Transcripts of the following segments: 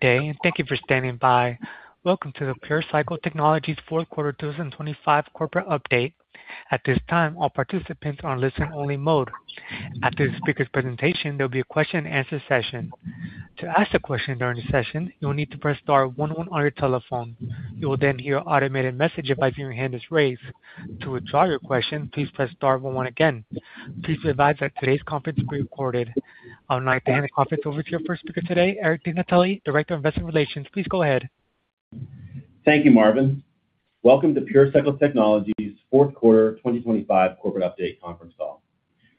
Good day. Thank you for standing by. Welcome to the PureCycle Technologies fourth quarter 2025 corporate update. At this time, all participants are on listen-only mode. After the speaker's presentation, there'll be a question-and-answer session. To ask a question during the session, you'll need to press star one one on your telephone. You will hear an automated message advising your hand is raised. To withdraw your question, please press star one one again. Please be advised that today's conference is being recorded. I would like to hand the conference over to your first speaker today, Eric DeNatale, Director of Investor Relations. Please go ahead. Thank you, Marvin. Welcome to PureCycle Technologies' fourth quarter 2025 corporate update conference call.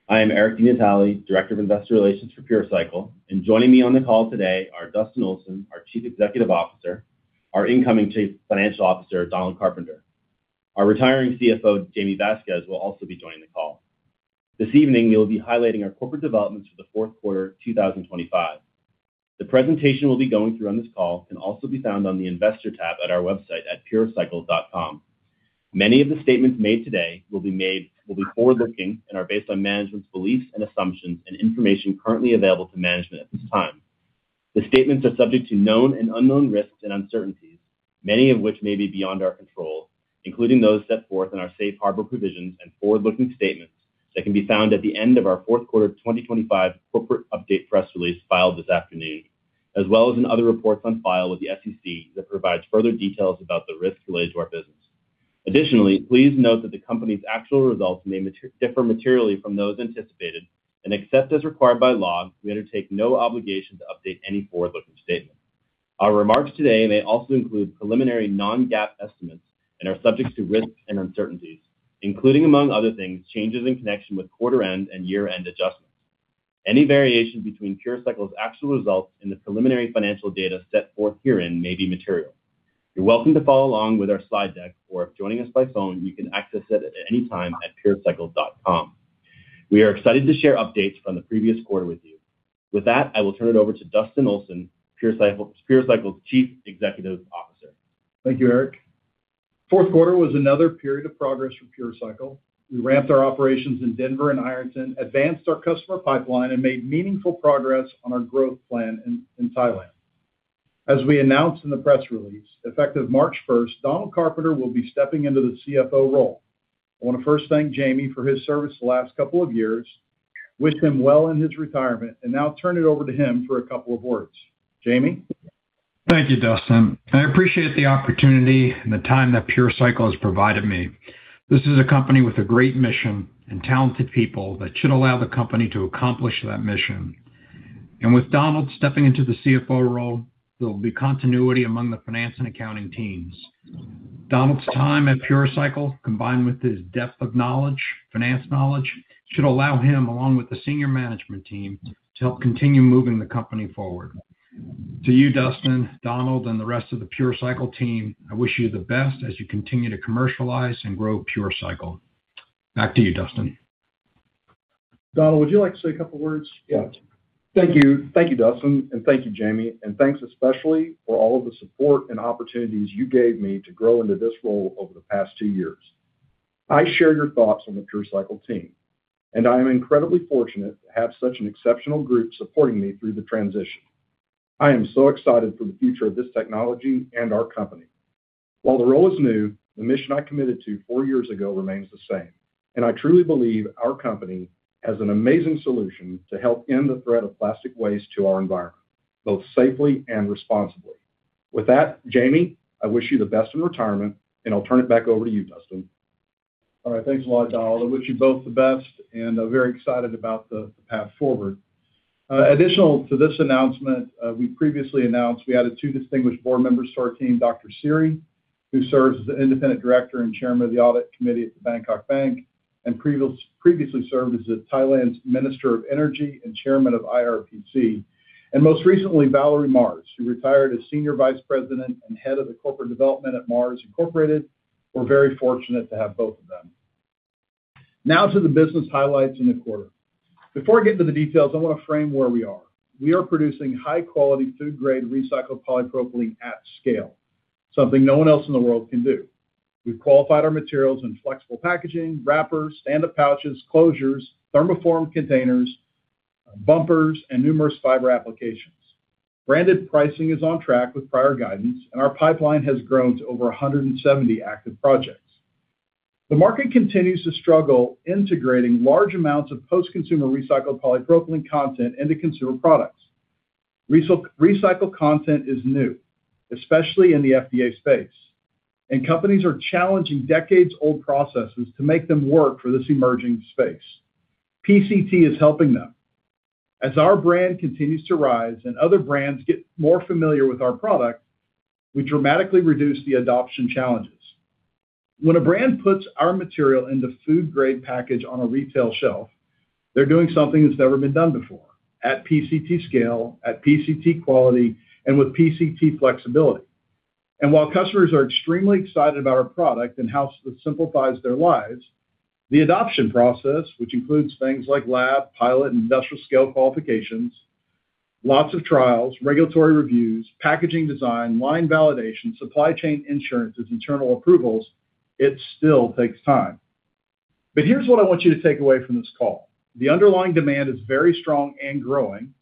I am Eric DeNatale, Director of Investor Relations for PureCycle, and joining me on the call today are Dustin Olson, our Chief Executive Officer, our incoming Chief Financial Officer, Donald Carpenter. Our retiring CFO, Jaime Vasquez, will also be joining the call. This evening, we'll be highlighting our corporate developments for the fourth quarter of 2025. The presentation we'll be going through on this call can also be found on the Investor tab at our website at purecycle.com. Many of the statements made today will be forward-looking and are based on management's beliefs and assumptions and information currently available to management at this time. The statements are subject to known and unknown risks and uncertainties, many of which may be beyond our control, including those set forth in our safe harbor provisions and forward-looking statements that can be found at the end of our fourth quarter of 2025 corporate update press release filed this afternoon, as well as in other reports on file with the SEC that provides further details about the risks related to our business. Additionally, please note that the company's actual results may differ materially from those anticipated, and except as required by law, we undertake no obligation to update any forward-looking statement. Our remarks today may also include preliminary non-GAAP estimates and are subject to risks and uncertainties, including, among other things, changes in connection with quarter-end and year-end adjustments. Any variation between PureCycle's actual results and the preliminary financial data set forth herein may be material. You're welcome to follow along with our slide deck, or if joining us by phone, you can access it at any time at purecycle.com. We are excited to share updates from the previous quarter with you. With that, I will turn it over to Dustin Olson, PureCycle's Chief Executive Officer. Thank you, Eric. Fourth quarter was another period of progress for PureCycle. We ramped our operations in Denver and Ironton, advanced our customer pipeline, and made meaningful progress on our growth plan in Thailand. As we announced in the press release, effective March 1st, Donald Carpenter will be stepping into the CFO role. I want to first thank Jaime for his service the last couple of years, wish him well in his retirement, and now turn it over to him for a couple of words. Jaime? Thank you, Dustin. I appreciate the opportunity and the time that PureCycle has provided me. This is a company with a great mission and talented people that should allow the company to accomplish that mission. With Donald stepping into the CFO role, there'll be continuity among the finance and accounting teams. Donald's time at PureCycle, combined with his depth of knowledge, finance knowledge, should allow him, along with the senior management team, to help continue moving the company forward. To you, Dustin, Donald, and the rest of the PureCycle team, I wish you the best as you continue to commercialize and grow PureCycle. Back to you, Dustin. Donald, would you like to say a couple words? Yes. Thank you. Thank you, Dustin, and thank you, Jamie, thanks especially for all of the support and opportunities you gave me to grow into this role over the past two years. I share your thoughts on the PureCycle team, I am incredibly fortunate to have such an exceptional group supporting me through the transition. I am so excited for the future of this technology and our company. While the role is new, the mission I committed to four years ago remains the same, I truly believe our company has an amazing solution to help end the threat of plastic waste to our environment, both safely and responsibly. With that, Jamie, I wish you the best in retirement, I'll turn it back over to you, Dustin. All right. Thanks a lot, Donald. I wish you both the best and I'm very excited about the path forward. Additional to this announcement, we previously announced we added two distinguished board members to our team, Dr. Siri, who serves as the independent director and chairman of the audit committee at the Bangkok Bank, and previously served as the Thailand's Minister of Energy and chairman of IRPC. Most recently, Valerie Mars, who retired as senior vice president and head of the corporate development at Mars, Incorporated. We're very fortunate to have both of them. Now to the business highlights in the quarter. Before I get into the details, I want to frame where we are. We are producing high-quality, food-grade recycled polypropylene at scale, something no one else in the world can do. We've qualified our materials in flexible packaging, wrappers, stand-up pouches, closures, thermoform containers, bumpers, and numerous fiber applications. Our pipeline has grown to over 170 active projects. The market continues to struggle integrating large amounts of post-consumer recycled polypropylene content into consumer products. Recycled content is new, especially in the FDA space, and companies are challenging decades-old processes to make them work for this emerging space. PCT is helping them. As our brand continues to rise and other brands get more familiar with our product, we dramatically reduce the adoption challenges. When a brand puts our material in the food-grade package on a retail shelf, they're doing something that's never been done before, at PCT scale, at PCT quality, and with PCT flexibility. While customers are extremely excited about our product and how it simplifies their lives, the adoption process, which includes things like lab, pilot, and industrial scale qualifications, lots of trials, regulatory reviews, packaging design, line validation, supply chain insurance, and internal approvals, it still takes time. Here's what I want you to take away from this call. The underlying demand is very strong and growing.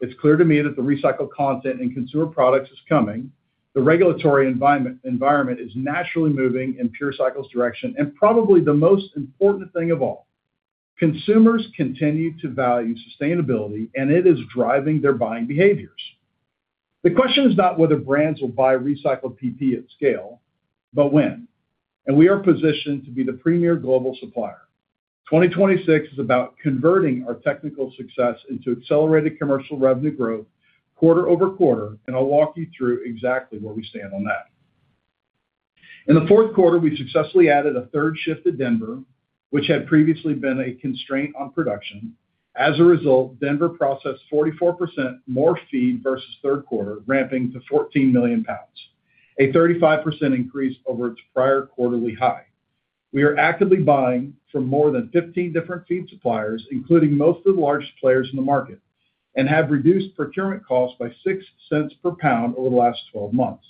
It's clear to me that the recycled content in consumer products is coming. The regulatory environment is naturally moving in PureCycle's direction, and probably the most important thing of all, consumers continue to value sustainability, and it is driving their buying behaviors. The question is not whether brands will buy recycled PP at scale, but when, and we are positioned to be the premier global supplier. 2026 is about converting our technical success into accelerated commercial revenue growth quarter-over-quarter. I'll walk you through exactly where we stand on that. In the 4th quarter, we successfully added a 3rd shift to Denver, which had previously been a constraint on production. As a result, Denver processed 44% more feed versus 3rd quarter, ramping to 14 million lbs, a 35% increase over its prior quarterly high. We are actively buying from more than 15 different feed suppliers, including most of the largest players in the market and have reduced procurement costs by $0.06 per pound over the last 12 months.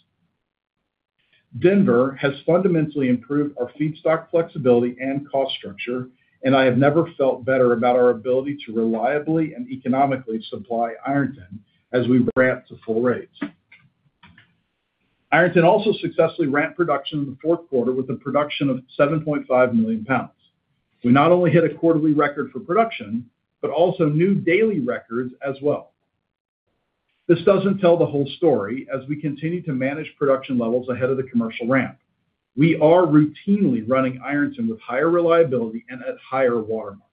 Denver has fundamentally improved our feedstock flexibility and cost structure. I have never felt better about our ability to reliably and economically supply Ironton as we ramp to full rates. Ironton also successfully ramped production in the fourth quarter with a production of 7.5 million lbs. We not only hit a quarterly record for production but also new daily records as well. This doesn't tell the whole story as we continue to manage production levels ahead of the commercial ramp. We are routinely running Ironton with higher reliability and at higher watermarks.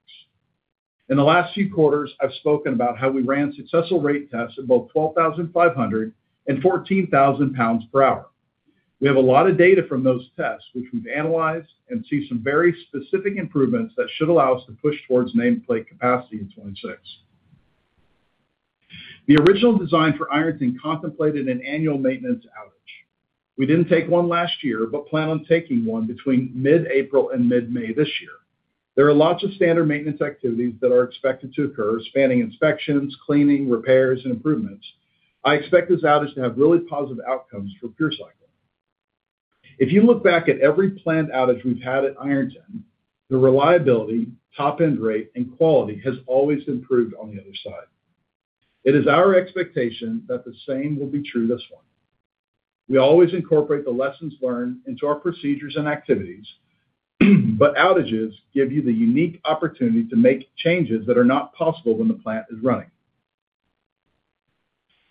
In the last few quarters, I've spoken about how we ran successful rate tests at both 12,500 and 14,000 lb/h. We have a lot of data from those tests, which we've analyzed and see some very specific improvements that should allow us to push towards nameplate capacity in 2026. The original design for Ironton contemplated an annual maintenance outage. We didn't take one last year but plan on taking one between mid-April and mid-May this year. There are lots of standard maintenance activities that are expected to occur, spanning inspections, cleaning, repairs, and improvements. I expect this outage to have really positive outcomes for PureCycle. If you look back at every planned outage we've had at Ironton, the reliability, top-end rate, and quality has always improved on the other side. It is our expectation that the same will be true this one. We always incorporate the lessons learned into our procedures and activities, but outages give you the unique opportunity to make changes that are not possible when the plant is running.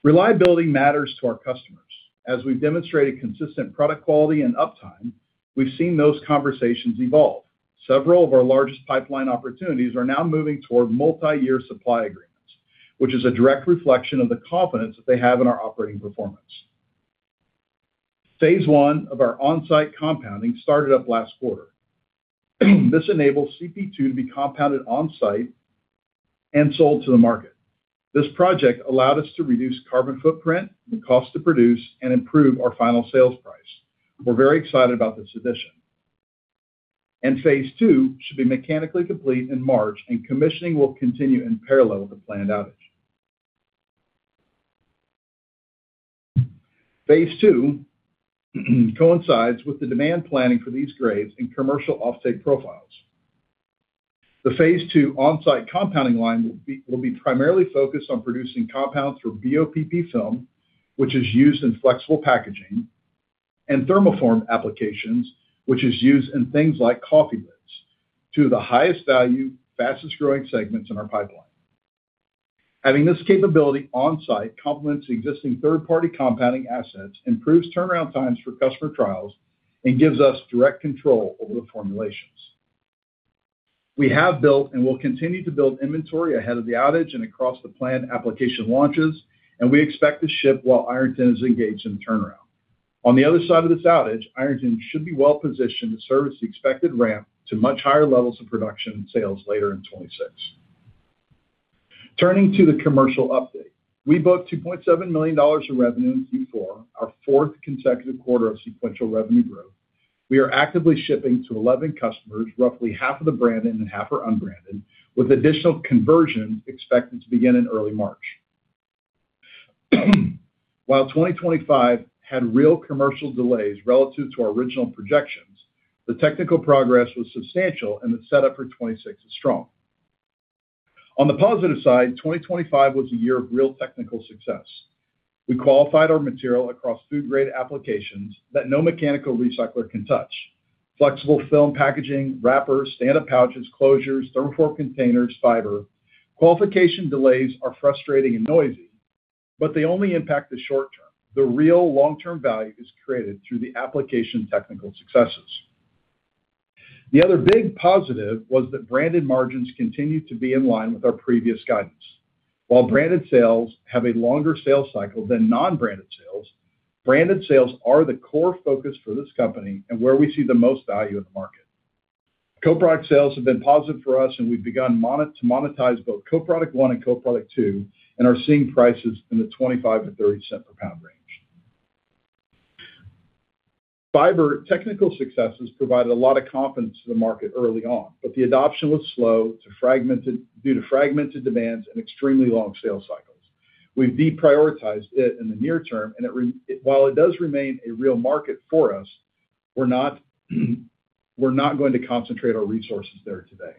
Reliability matters to our customers. As we've demonstrated consistent product quality and uptime, we've seen those conversations evolve. Several of our largest pipeline opportunities are now moving toward multi-year supply agreements, which is a direct reflection of the confidence that they have in our operating performance. Phase one of our on-site compounding started up last quarter. This enables CP2 to be compounded on-site and sold to the market. This project allowed us to reduce carbon footprint, the cost to produce, and improve our final sales price. We're very excited about this addition. Phase two should be mechanically complete in March, and commissioning will continue in parallel with the planned outage. Phase two coincides with the demand planning for these grades in commercial off-take profiles. The phase two on-site compounding line will be primarily focused on producing compounds for BOPP film, which is used in flexible packaging and thermoformed applications, which is used in things like coffee lids. Two of the highest value, fastest-growing segments in our pipeline. Having this capability on-site complements existing third-party compounding assets, improves turnaround times for customer trials, and gives us direct control over the formulations. We have built and will continue to build inventory ahead of the outage and across the planned application launches, we expect to ship while Ironton is engaged in the turnaround. On the other side of this outage, Ironton should be well-positioned to service the expected ramp to much higher levels of production and sales later in 2026. Turning to the commercial update. We booked $2.7 million in revenue in Q4, our fourth consecutive quarter of sequential revenue growth. We are actively shipping to 11 customers, roughly half of the branded and half are unbranded, with additional conversion expected to begin in early March. While 2025 had real commercial delays relative to our original projections, the technical progress was substantial, the setup for 2026 is strong. On the positive side, 2025 was a year of real technical success. We qualified our material across food-grade applications that no mechanical recycler can touch. Flexible film packaging, wrappers, stand-up pouches, closures, thermoform containers, fiber. Qualification delays are frustrating and noisy, but they only impact the short term. The real long-term value is created through the application technical successes. The other big positive was that branded margins continued to be in line with our previous guidance. While branded sales have a longer sales cycle than non-branded sales, branded sales are the core focus for this company and where we see the most value in the market. co-product sales have been positive for us, and we've begun to monetize both co-product 1 and co-product 2 and are seeing prices in the $0.25-$0.03 per pound range. Fiber technical successes provided a lot of confidence to the market early on, the adoption was slow due to fragmented demands and extremely long sales cycles. We've deprioritized it in the near term, and while it does remain a real market for us, we're not going to concentrate our resources there today.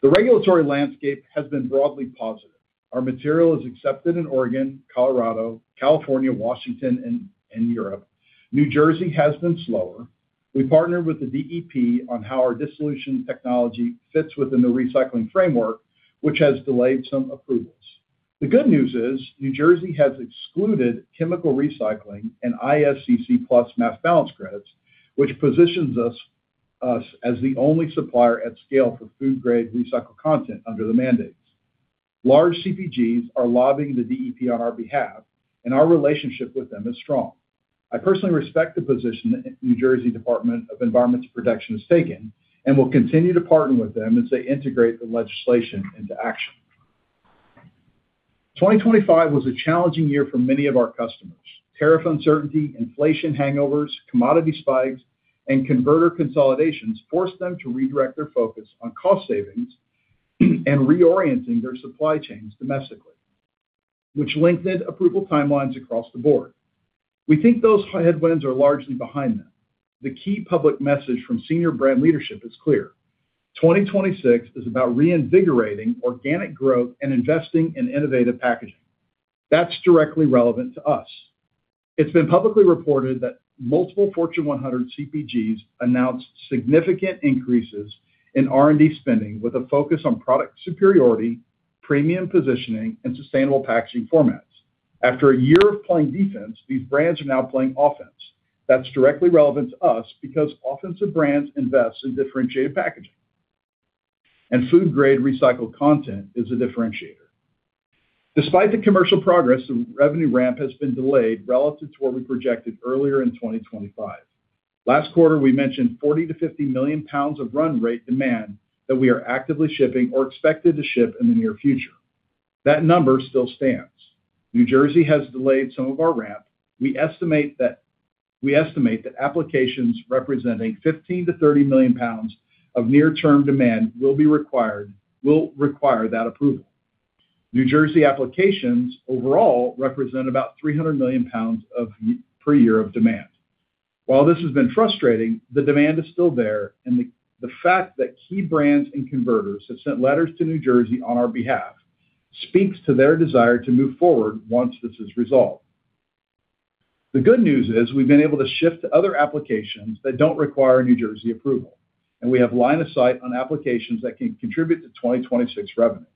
The regulatory landscape has been broadly positive. Our material is accepted in Oregon, Colorado, California, Washington, and Europe. New Jersey has been slower. We partnered with the DEP on how our dissolution technology fits within the recycling framework, which has delayed some approvals. The good news is, New Jersey has excluded chemical recycling and ISCC PLUS mass balance credits, which positions us as the only supplier at scale for food grade recycled content under the mandates. Large CPGs are lobbying the DEP on our behalf, and our relationship with them is strong. I personally respect the position that New Jersey Department of Environmental Protection has taken, and will continue to partner with them as they integrate the legislation into action. 2025 was a challenging year for many of our customers. Tariff uncertainty, inflation hangovers, commodity spikes, and converter consolidations forced them to redirect their focus on cost savings and reorienting their supply chains domestically, which lengthened approval timelines across the board. We think those headwinds are largely behind them. The key public message from senior brand leadership is clear: 2026 is about reinvigorating organic growth and investing in innovative packaging. That's directly relevant to us. It's been publicly reported that multiple Fortune 100 CPGs announced significant increases in R&D spending, with a focus on product superiority, premium positioning, and sustainable packaging formats. After a year of playing defense, these brands are now playing offense. That's directly relevant to us because offensive brands invest in differentiated packaging, and food grade recycled content is a differentiator. Despite the commercial progress, the revenue ramp has been delayed relative to what we projected earlier in 2025. Last quarter, we mentioned 40 million-50 million lbs of run rate demand that we are actively shipping or expected to ship in the near future. That number still stands. New Jersey has delayed some of our ramp. We estimate that applications representing 15 million-30 million lbs of near-term demand will require that approval. New Jersey applications overall represent about 300 million lbs per year of demand. While this has been frustrating, the demand is still there, and the fact that key brands and converters have sent letters to New Jersey on our behalf speaks to their desire to move forward once this is resolved. The good news is, we've been able to shift to other applications that don't require New Jersey approval, and we have line of sight on applications that can contribute to 2026 revenue.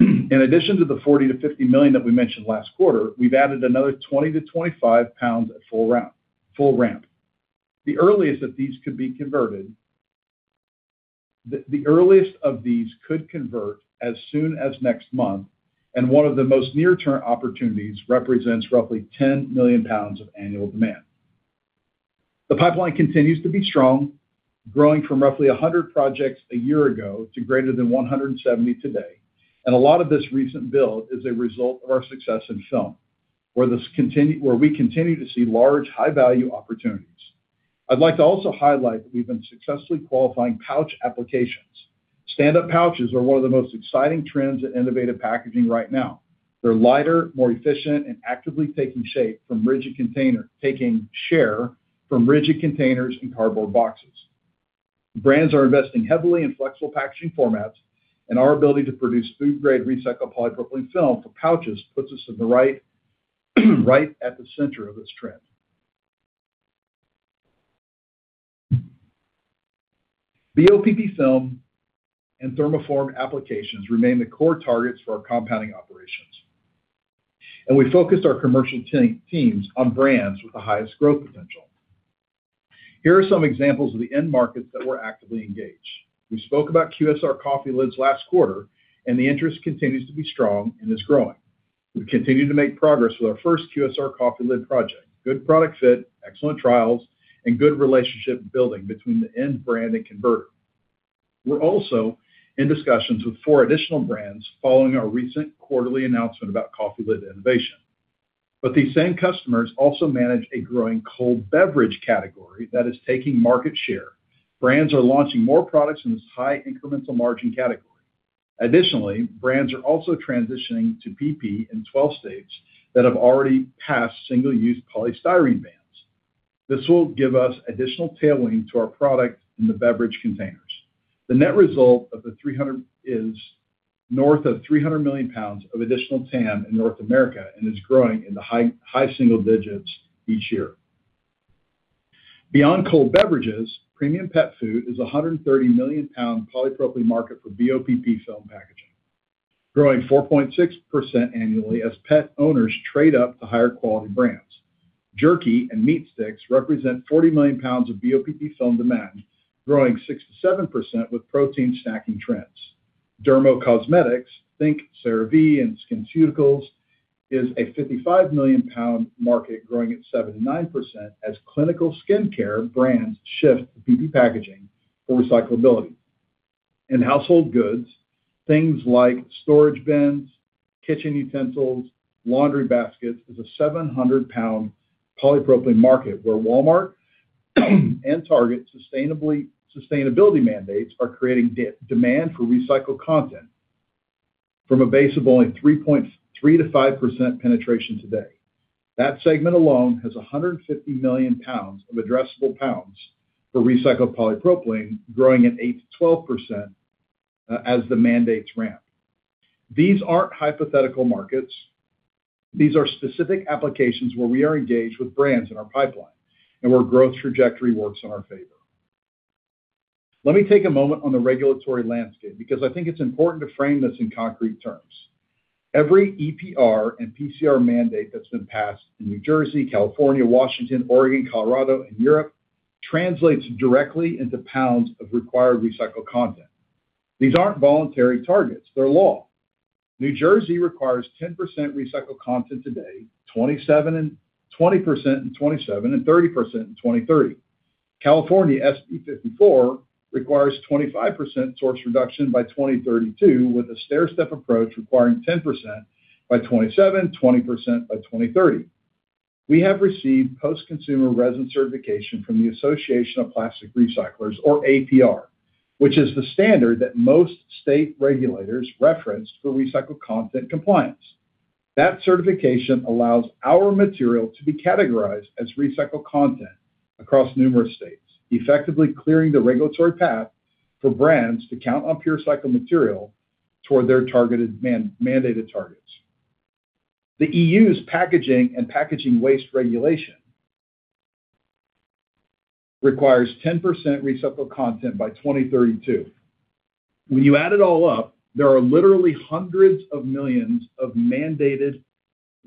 In addition to the $40 million-$50 million that we mentioned last quarter, we've added another 20-25 lbs at full ramp. The earliest of these could convert as soon as next month, and one of the most near-term opportunities represents roughly 10 million lbs of annual demand. The pipeline continues to be strong, growing from roughly 100 projects a year ago to greater than 170 today. A lot of this recent build is a result of our success in film, where we continue to see large, high-value opportunities. I'd like to also highlight that we've been successfully qualifying pouch applications. Stand-up pouches are one of the most exciting trends in innovative packaging right now. They're lighter, more efficient, and actively taking share from rigid containers and cardboard boxes. Brands are investing heavily in flexible packaging formats, and our ability to produce food grade recycled polypropylene film for pouches puts us right at the center of this trend. BOPP film and thermoform applications remain the core targets for our compounding operations. We focused our commercial teams on brands with the highest growth potential. Here are some examples of the end markets that we're actively engaged. We spoke about QSR coffee lids last quarter. The interest continues to be strong and is growing. We continue to make progress with our first QSR coffee lid project, good product fit, excellent trials, and good relationship building between the end brand and converter. We're also in discussions with four additional brands following our recent quarterly announcement about coffee lid innovation. These same customers also manage a growing cold beverage category that is taking market share. Brands are launching more products in this high incremental margin category. Additionally, brands are also transitioning to PP in 12 states that have already passed single-use polystyrene bans. This will give us additional tailwind to our product in the beverage containers. The net result of the 300 is north of 300 million lbs of additional TAM in North America, and is growing in the high single digits each year. Beyond cold beverages, premium pet food is a 130 million lbs polypropylene market for BOPP film packaging, growing 4.6% annually as pet owners trade up to higher quality brands. Jerky and meat sticks represent 40 million lbs of BOPP film demand, growing 6%-7% with protein snacking trends. Dermo-cosmetics, think CeraVe and SkinCeuticals, is a 55 million lbs market, growing at 79% as clinical skincare brands shift to PP packaging for recyclability. In household goods, things like storage bins, kitchen utensils, laundry baskets, is a 700 lbs polypropylene market, where Walmart. Target sustainability mandates are creating demand for recycled content from a base of only 3%-5% penetration today. That segment alone has 150 million pounds of addressable pounds for recycled polypropylene, growing at 8%-12% as the mandates ramp. These aren't hypothetical markets. These are specific applications where we are engaged with brands in our pipeline and where growth trajectory works in our favor. Let me take a moment on the regulatory landscape because I think it's important to frame this in concrete terms. Every EPR and PCR mandate that's been passed in New Jersey, California, Washington, Oregon, Colorado, and Europe translates directly into pounds of required recycled content. These aren't voluntary targets, they're law. New Jersey requires 10% recycled content today, 20% in 2027, and 30% in 2030. California SB 54 requires 25% source reduction by 2032, with a stairstep approach requiring 10% by 2027, 20% by 2030. We have received post-consumer resin certification from the Association of Plastic Recyclers, or APR, which is the standard that most state regulators reference for recycled content compliance. That certification allows our material to be categorized as recycled content across numerous states, effectively clearing the regulatory path for brands to count on PureCycle material toward their targeted mandated targets. The EU's Packaging and Packaging Waste Regulation requires 10% recycled content by 2032. When you add it all up, there are literally hundreds of millions of mandated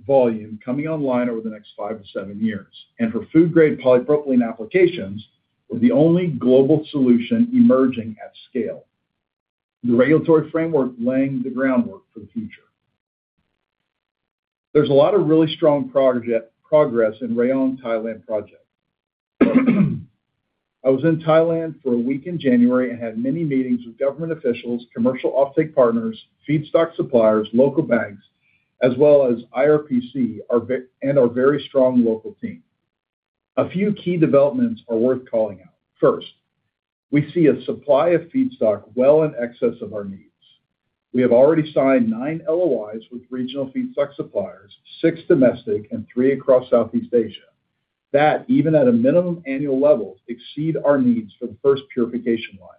volume coming online over the next five to seven years, for food-grade polypropylene applications, we're the only global solution emerging at scale. The regulatory framework laying the groundwork for the future. There's a lot of really strong progress in Rayong, Thailand project. I was in Thailand for a week in January and had many meetings with government officials, commercial offtake partners, feedstock suppliers, local banks, as well as IRPC and our very strong local team. A few key developments are worth calling out. First, we see a supply of feedstock well in excess of our needs. We have already signed nine LOIs with regional feedstock suppliers, six domestic and three across Southeast Asia. That, even at a minimum annual level, exceed our needs for the first purification line.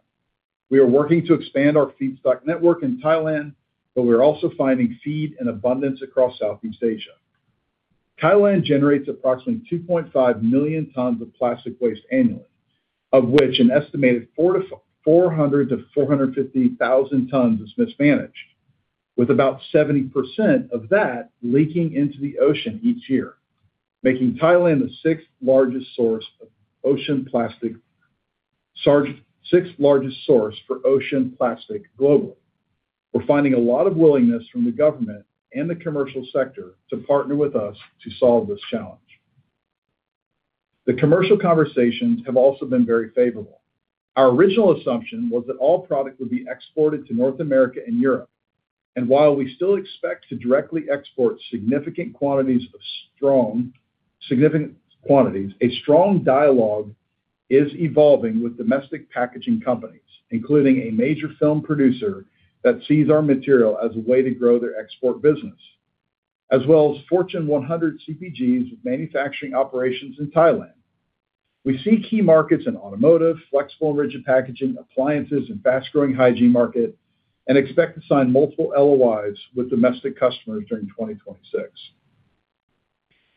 We are working to expand our feedstock network in Thailand. We are also finding feed in abundance across Southeast Asia. Thailand generates approximately 2.5 million tons of plastic waste annually, of which an estimated 400,000-450,000 tons is mismanaged, with about 70% of that leaking into the ocean each year, making Thailand the sixth largest source for ocean plastic globally. We're finding a lot of willingness from the government and the commercial sector to partner with us to solve this challenge. The commercial conversations have also been very favorable. Our original assumption was that all product would be exported to North America and Europe. While we still expect to directly export significant quantities, a strong dialogue is evolving with domestic packaging companies, including a major film producer that sees our material as a way to grow their export business, as well as Fortune 100 CPGs with manufacturing operations in Thailand. We see key markets in automotive, flexible and rigid packaging, appliances, and fast-growing hygiene market, and expect to sign multiple LOIs with domestic customers during 2026.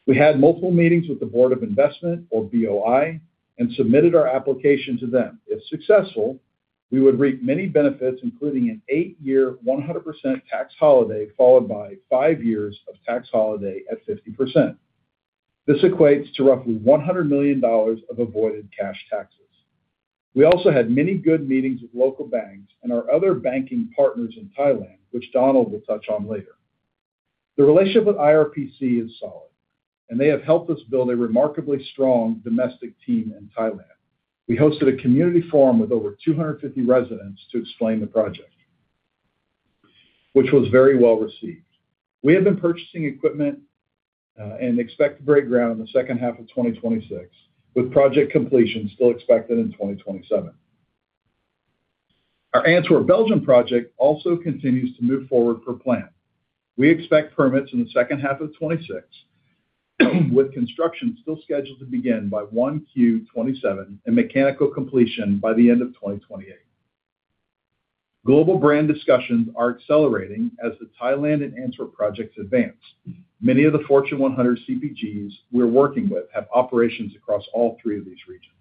We had multiple meetings with the Board of Investment, or BOI, and submitted our application to them. If successful, we would reap many benefits, including an eight-year, 100% tax holiday, followed by five years of tax holiday at 50%. This equates to roughly $100 million of avoided cash taxes. We also had many good meetings with local banks and our other banking partners in Thailand, which Donald Carpenter will touch on later. The relationship with IRPC is solid, and they have helped us build a remarkably strong domestic team in Thailand. We hosted a community forum with over 250 residents to explain the project, which was very well received. We have been purchasing equipment, and expect to break ground in the second half of 2026, with project completion still expected in 2027. Our Antwerp, Belgium, project also continues to move forward per plan. We expect permits in the second half of 2026, with construction still scheduled to begin by 1Q 2027 and mechanical completion by the end of 2028. Global brand discussions are accelerating as the Thailand and Antwerp projects advance. Many of the Fortune 100 CPGs we're working with have operations across all three of these regions.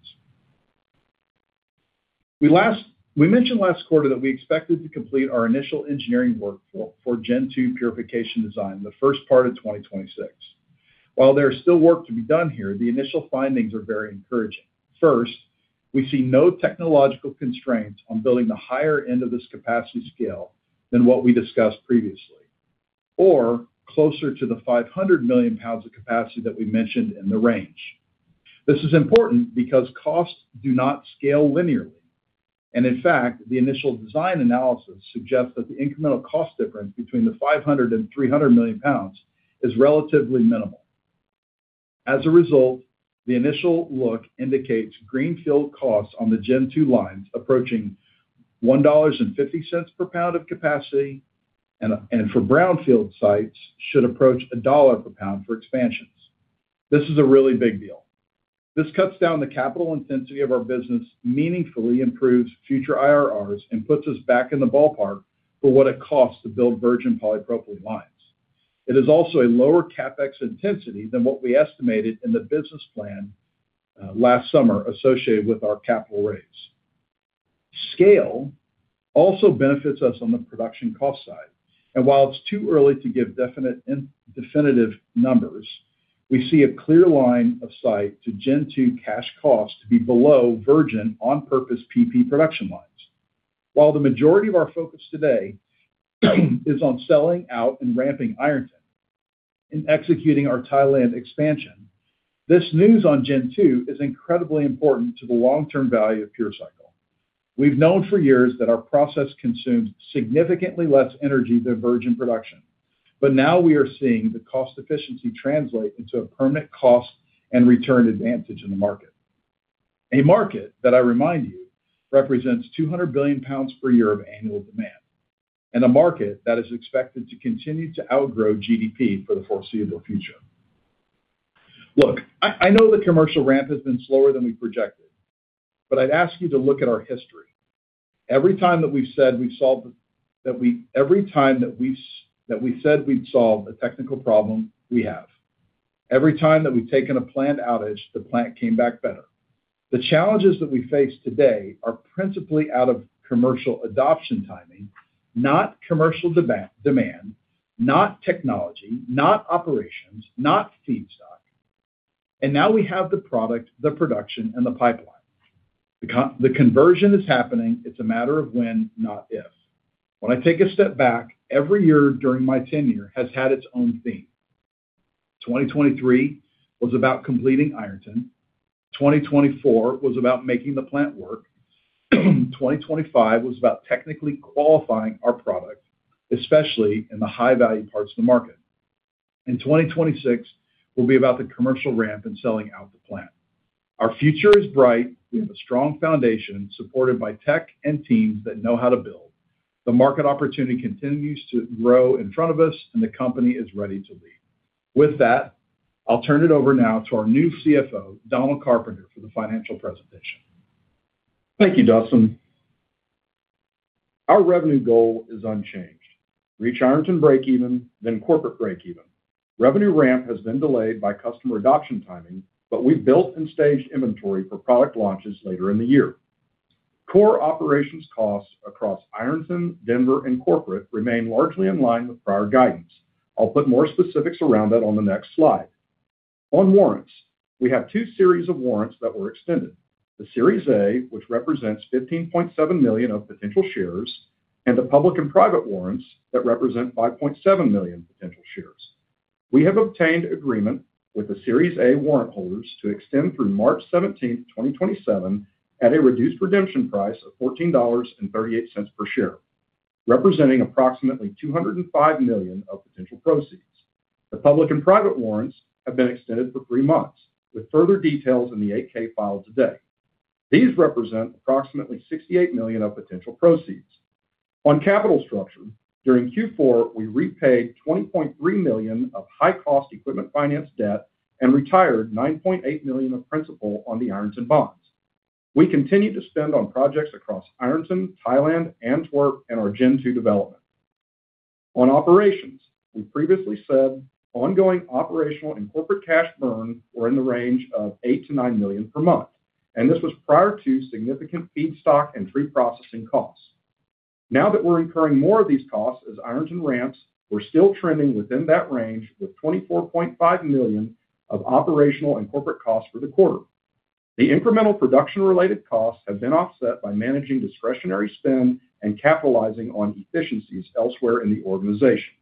We mentioned last quarter that we expected to complete our initial engineering work for Gen 2 purification design the first part of 2026. While there is still work to be done here, the initial findings are very encouraging. First, we see no technological constraints on building the higher end of this capacity scale than what we discussed previously, or closer to the 500 million lbs of capacity that we mentioned in the range. This is important because costs do not scale linearly. In fact, the initial design analysis suggests that the incremental cost difference between the 500 million and 300 million lbs is relatively minimal. As a result, the initial look indicates greenfield costs on the Gen 2 lines approaching $1.50 per pound of capacity, and for brownfield sites should approach $1 per pound for expansions. This is a really big deal. This cuts down the capital intensity of our business, meaningfully improves future IRRs, and puts us back in the ballpark for what it costs to build virgin polypropylene lines. It is also a lower CapEx intensity than what we estimated in the business plan, last summer associated with our capital raise. Scale also benefits us on the production cost side. While it's too early to give definitive numbers, we see a clear line of sight to Gen 2 cash costs to be below virgin on-purpose PP production lines. While the majority of our focus today is on selling out and ramping Ironton and executing our Thailand expansion, this news on Gen 2 is incredibly important to the long-term value of PureCycle. We've known for years that our process consumes significantly less energy than virgin production, now we are seeing the cost efficiency translate into a permanent cost and return advantage in the market. A market that I remind you, represents 200 billion lbs per year of annual demand, and a market that is expected to continue to outgrow GDP for the foreseeable future. Look, I know the commercial ramp has been slower than we projected, but I'd ask you to look at our history. Every time that we said we'd solve a technical problem, we have. Every time that we've taken a planned outage, the plant came back better. The challenges that we face today are principally out of commercial adoption timing, not commercial demand, not technology, not operations, not feedstock. Now we have the product, the production, and the pipeline. The conversion is happening, it's a matter of when, not if. When I take a step back, every year during my tenure has had its own theme. 2023 was about completing Ironton. 2024 was about making the plant work. 2025 was about technically qualifying our product, especially in the high-value parts of the market. 2026 will be about the commercial ramp and selling out the plant. Our future is bright. We have a strong foundation supported by tech and teams that know how to build. The market opportunity continues to grow in front of us, and the company is ready to lead. With that, I'll turn it over now to our new CFO, Donald Carpenter, for the financial presentation. Thank you, Dustin. Our revenue goal is unchanged. Reach Ironton breakeven, then corporate breakeven. Revenue ramp has been delayed by customer adoption timing, but we've built and staged inventory for product launches later in the year. Core operations costs across Ironton, Denver, and corporate remain largely in line with prior guidance. I'll put more specifics around that on the next slide. On warrants, we have two series of warrants that were extended. The Series A, which represents 15.7 million of potential shares, and the public and private warrants that represent 5.7 million potential shares. We have obtained agreement with the Series A warrant holders to extend through March 17, 2027, at a reduced redemption price of $14.38 per share, representing approximately $205 million of potential proceeds. The public and private warrants have been extended for three months, with further details in the 8-K filed today. These represent approximately $68 million of potential proceeds. On capital structure, during Q4, we repaid $20.3 million of high-cost equipment finance debt and retired $9.8 million of principal on the Ironton bonds. We continue to spend on projects across Ironton, Thailand, Antwerp and our Gen 2 development. On operations, we previously said ongoing operational and corporate cash burn were in the range of $8 million-$9 million per month. This was prior to significant feedstock and tree processing costs. Now that we're incurring more of these costs as Ironton ramps, we're still trending within that range with $24.5 million of operational and corporate costs for the quarter. The incremental production-related costs have been offset by managing discretionary spend and capitalizing on efficiencies elsewhere in the organization.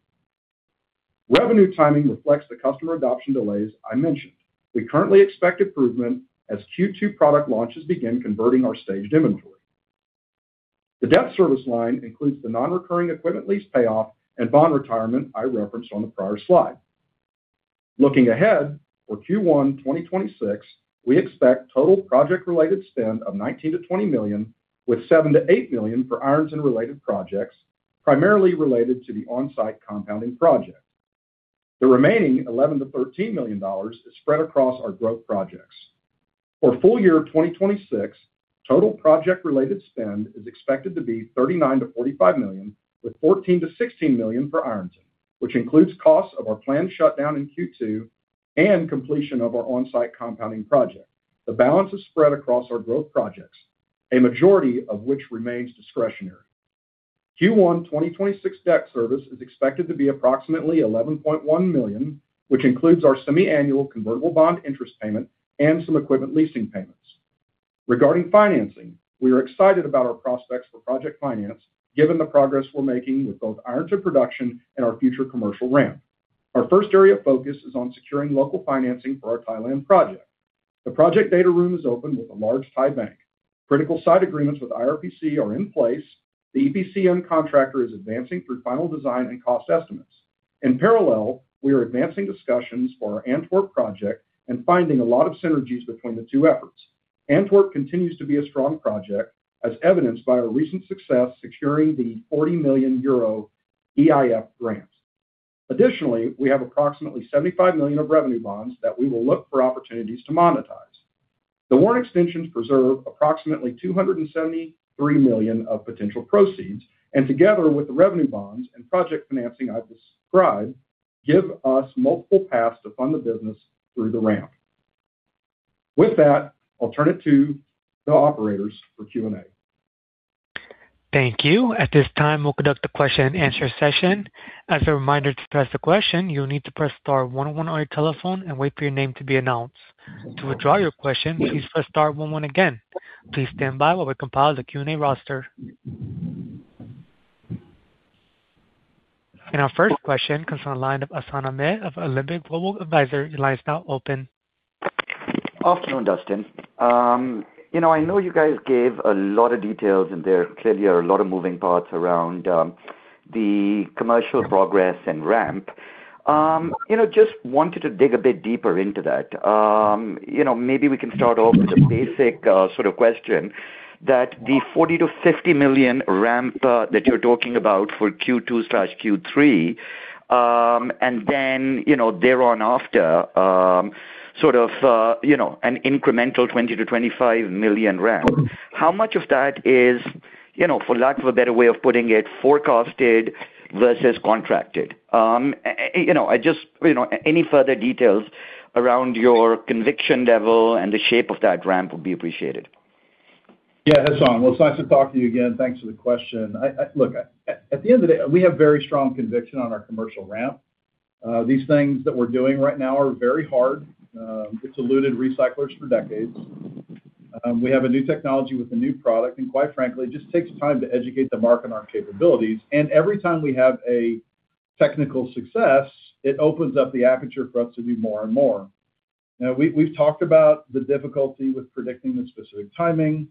Revenue timing reflects the customer adoption delays I mentioned. We currently expect improvement as Q2 product launches begin converting our staged inventory. The debt service line includes the non-recurring equipment lease payoff and bond retirement I referenced on the prior slide. Looking ahead, for Q1 2026, we expect total project-related spend of $19 million-$20 million, with $7 million-$8 million for Ironton-related projects, primarily related to the on-site compounding project. The remaining $11 million-$13 million is spread across our growth projects. For full-year 2026, total project-related spend is expected to be $39 million-$45 million, with $14 million-$16 million for Ironton, which includes costs of our planned shutdown in Q2 and completion of our on-site compounding project. The balance is spread across our growth projects, a majority of which remains discretionary. Q1 2026 debt service is expected to be approximately $11.1 million, which includes our semi-annual convertible bond interest payment and some equipment leasing payments. Regarding financing, we are excited about our prospects for project finance given the progress we're making with both Ironton production and our future commercial ramp. Our first area of focus is on securing local financing for our Thailand project. The project data room is open with a large Thai bank. Critical site agreements with IRPC are in place. The EPCM contractor is advancing through final design and cost estimates. In parallel, we are advancing discussions for our Antwerp project and finding a lot of synergies between the two efforts. Antwerp continues to be a strong project, as evidenced by our recent success securing the 40 million euro EIF grant. Additionally, we have approximately $75 million of revenue bonds that we will look for opportunities to monetize. The warrant extensions preserve approximately $273 million of potential proceeds, and together with the revenue bonds and project financing I've described, give us multiple paths to fund the business through the ramp. With that, I'll turn it to the operators for Q&A. Thank you. At this time, we'll conduct a question-and-answer session. As a reminder, to ask a question, you'll need to press star one on your telephone and wait for your name to be announced. To withdraw your question, please press star one one again. Please stand by while we compile the Q&A roster. Our first question comes on the line of Hassan Ahmed of Alembic Global Advisors. Your line is now open. Afternoon, Dustin. you know, I know you guys gave a lot of details in there. Clearly, are a lot of moving parts around the commercial progress and ramp. you know, just wanted to dig a bit deeper into that. you know, maybe we can start off with a basic sort of question, that the $40 million-$50 million ramp that you're talking about for Q2/Q3, and then, you know, thereon after, sort of, you know, an incremental $20 million-$25 million ramp. How much of that is, you know, for lack of a better way of putting it, forecasted versus contracted? you know, I just, you know, any further details around your conviction level and the shape of that ramp would be appreciated. Yeah, Hassan, well, it's nice to talk to you again. Thanks for the question. Look, at the end of the day, we have very strong conviction on our commercial ramp. These things that we're doing right now are very hard. It's eluded recyclers for decades. We have a new technology with a new product, and quite frankly, it just takes time to educate the market on our capabilities. Every time we have a technical success, it opens up the aperture for us to do more and more. Now, we've talked about the difficulty with predicting the specific timing.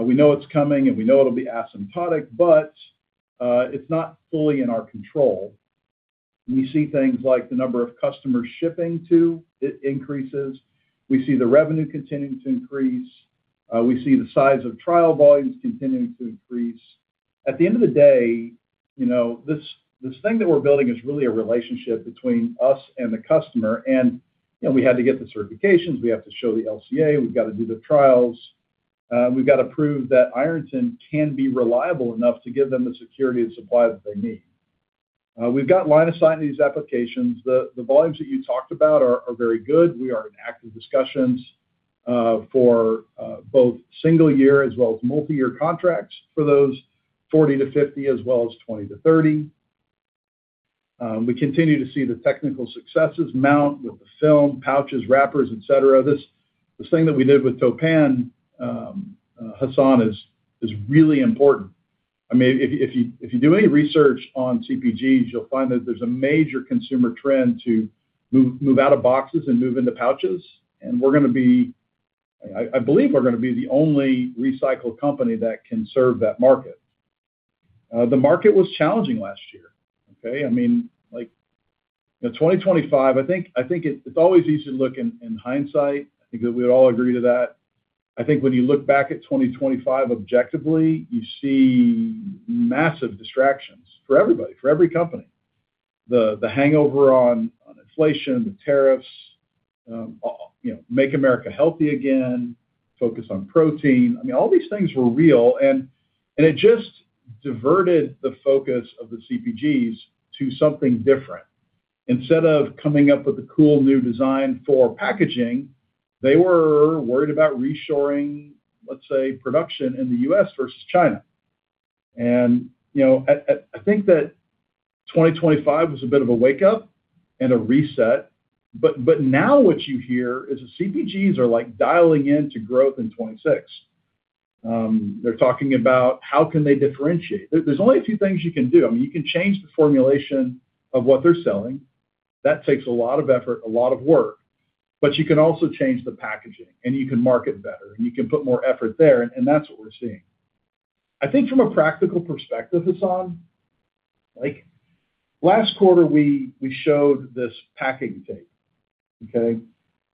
We know it's coming, and we know it'll be asymptotic, but it's not fully in our control. We see things like the number of customers shipping to it increases. We see the revenue continuing to increase. We see the size of trial volumes continuing to increase. At the end of the day, you know, this thing that we're building is really a relationship between us and the customer, and, you know, we had to get the certifications, we have to show the LCA, we've got to do the trials, we've got to prove that Ironton can be reliable enough to give them the security and supply that they need. We've got line of sight in these applications. The volumes that you talked about are very good. We are in active discussions for both single year as well as multiyear contracts for those 40-50, as well as 20-30. We continue to see the technical successes mount with the film, pouches, wrappers, et cetera. This thing that we did with Toppan, Hassan, is really important. I mean, if you do any research on CPGs, you'll find that there's a major consumer trend to move out of boxes and move into pouches, and we're going to be... I believe we're going to be the only recycled company that can serve that market. The market was challenging last year, okay? I mean, like, the 2025, I think it's always easy to look in hindsight, because we would all agree to that. I think when you look back at 2025 objectively, you see massive distractions for everybody, for every company. The hangover on inflation, the tariffs, you know, Make America Healthy Again, focus on protein. I mean, all these things were real, and it just diverted the focus of the CPGs to something different. Instead of coming up with a cool new design for packaging, they were worried about reshoring, let's say, production in the U.S. versus China. You know, I think that 2025 was a bit of a wake-up and a reset, but now what you hear is the CPGs are like dialing into growth in 2026. They're talking about how can they differentiate. There's only a few things you can do. I mean, you can change the formulation of what they're selling. That takes a lot of effort, a lot of work, but you can also change the packaging, and you can market better, and you can put more effort there, and that's what we're seeing. I think from a practical perspective, Hassan, like, last quarter, we showed this packing tape, okay?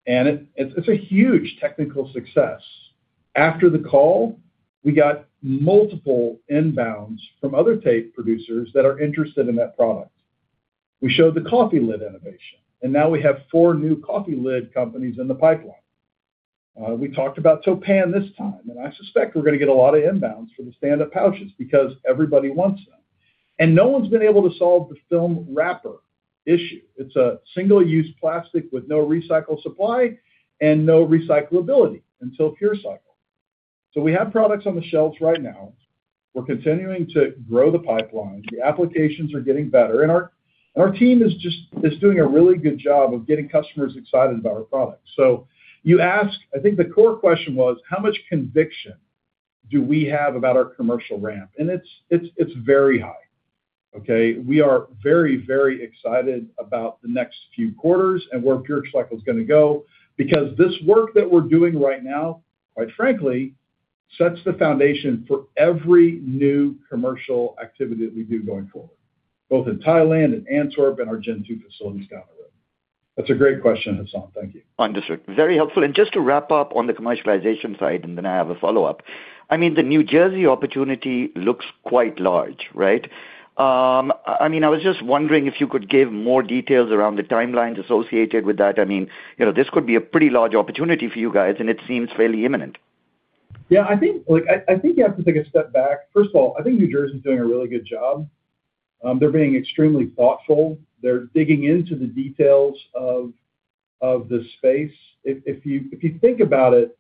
It's a huge technical success. After the call, we got multiple inbounds from other tape producers that are interested in that product. We showed the coffee lid innovation, and now we have four new coffee lid companies in the pipeline. We talked about Toppan this time, and I suspect we're going to get a lot of inbounds for the stand-up pouches because everybody wants them. No one's been able to solve the film wrapper issue. It's a single-use plastic with no recycled supply and no recyclability until PureCycle. We have products on the shelves right now. We're continuing to grow the pipeline. The applications are getting better, and our team is doing a really good job of getting customers excited about our products. You ask-- I think the core question was, how much conviction do we have about our commercial ramp? It's, it's very high. Okay? We are very, very excited about the next few quarters and where PureCycle is gonna go because this work that we're doing right now, quite frankly, sets the foundation for every new commercial activity that we do going forward, both in Thailand and Antwerp and our Gen 2 facilities down the road. That's a great question, Hassan. Thank you. Understood. Very helpful. Just to wrap up on the commercialization side, and then I have a follow-up. I mean, the New Jersey opportunity looks quite large, right? I mean, I was just wondering if you could give more details around the timelines associated with that. I mean, you know, this could be a pretty large opportunity for you guys, and it seems fairly imminent. Yeah, I think, look, I think you have to take a step back. First of all, I think New Jersey is doing a really good job. They're being extremely thoughtful. They're digging into the details of the space. If you think about it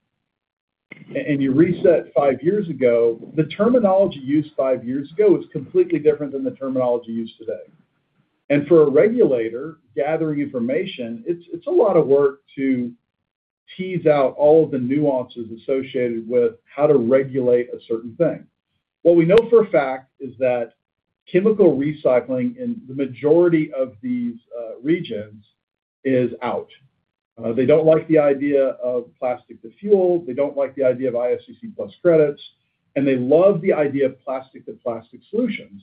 and you reset five years ago, the terminology used five years ago was completely different than the terminology used today. For a regulator gathering information, it's a lot of work to tease out all of the nuances associated with how to regulate a certain thing. What we know for a fact is that chemical recycling in the majority of these regions is out. They don't like the idea of plastic to fuel. They don't like the idea of ISCC PLUS credits, and they love the idea of plastic to plastic solutions.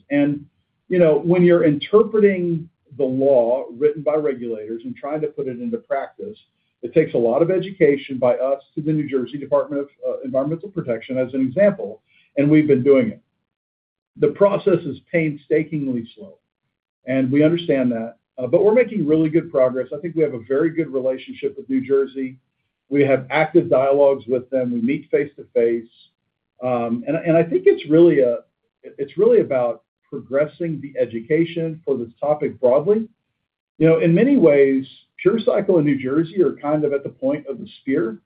You know, when you're interpreting the law written by regulators and trying to put it into practice, it takes a lot of education by us to the New Jersey Department of Environmental Protection as an example, and we've been doing it. The process is painstakingly slow, and we understand that, but we're making really good progress. I think we have a very good relationship with New Jersey. We have active dialogues with them. We meet face to face. I, and I think it's really about progressing the education for this topic broadly. You know, in many ways, PureCycle and New Jersey are kind of at the point of the spear.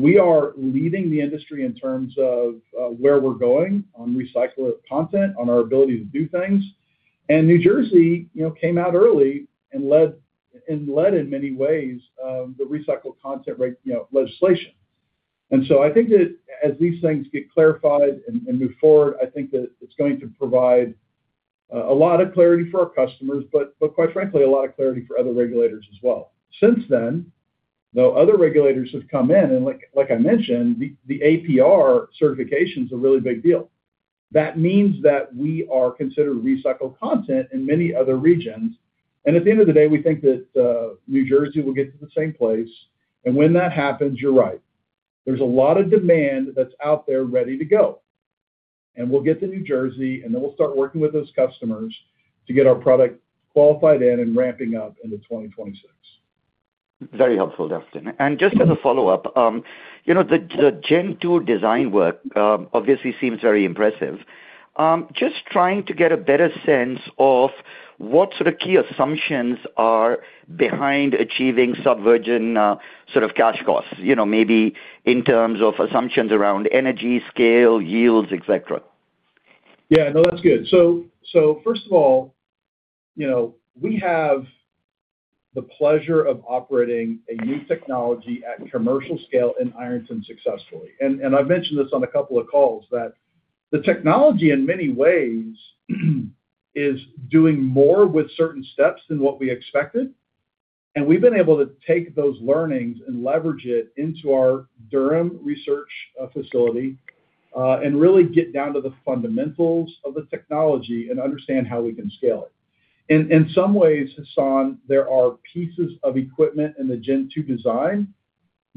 We are leading the industry in terms of, where we're going on recycled content, on our ability to do things. New Jersey, you know, came out early and led in many ways, the recycled content, you know, legislation. I think that as these things get clarified and move forward, I think that it's going to provide a lot of clarity for our customers, but quite frankly, a lot of clarity for other regulators as well. Since then, though, other regulators have come in, and like I mentioned, the APR certification is a really big deal. That means that we are considered recycled content in many other regions. At the end of the day, we think that New Jersey will get to the same place. When that happens, you're right. There's a lot of demand that's out there ready to go. We'll get to New Jersey, and then we'll start working with those customers to get our product qualified in and ramping up into 2026. Very helpful, Dustin. Just as a follow-up, you know, the Gen 2 design work, obviously seems very impressive. Just trying to get a better sense of what sort of key assumptions are behind achieving sub virgin, sort of cash costs, you know, maybe in terms of assumptions around energy, scale, yields, et cetera. Yeah. No, that's good. First of all, you know, we have the pleasure of operating a new technology at commercial scale in Ironton successfully. I've mentioned this on a couple of calls that the technology in many ways is doing more with certain steps than what we expected. We've been able to take those learnings and leverage it into our Durham research facility and really get down to the fundamentals of the technology and understand how we can scale it. In some ways, Hassan, there are pieces of equipment in the Gen 2 design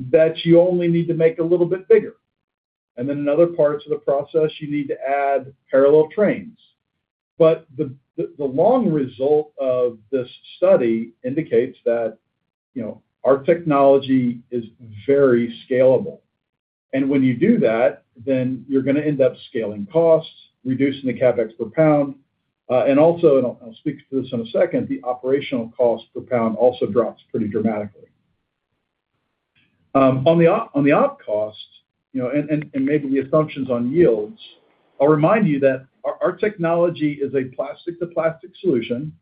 that you only need to make a little bit bigger. Then in other parts of the process, you need to add parallel trains. The long result of this study indicates that, you know, our technology is very scalable. When you do that, then you're gonna end up scaling costs, reducing the CapEx per pound, and also, I'll speak to this in a second, the operational cost per pound also drops pretty dramatically. On the op costs, you know, and maybe the assumptions on yields, I'll remind you that our technology is a plastic to plastic solution,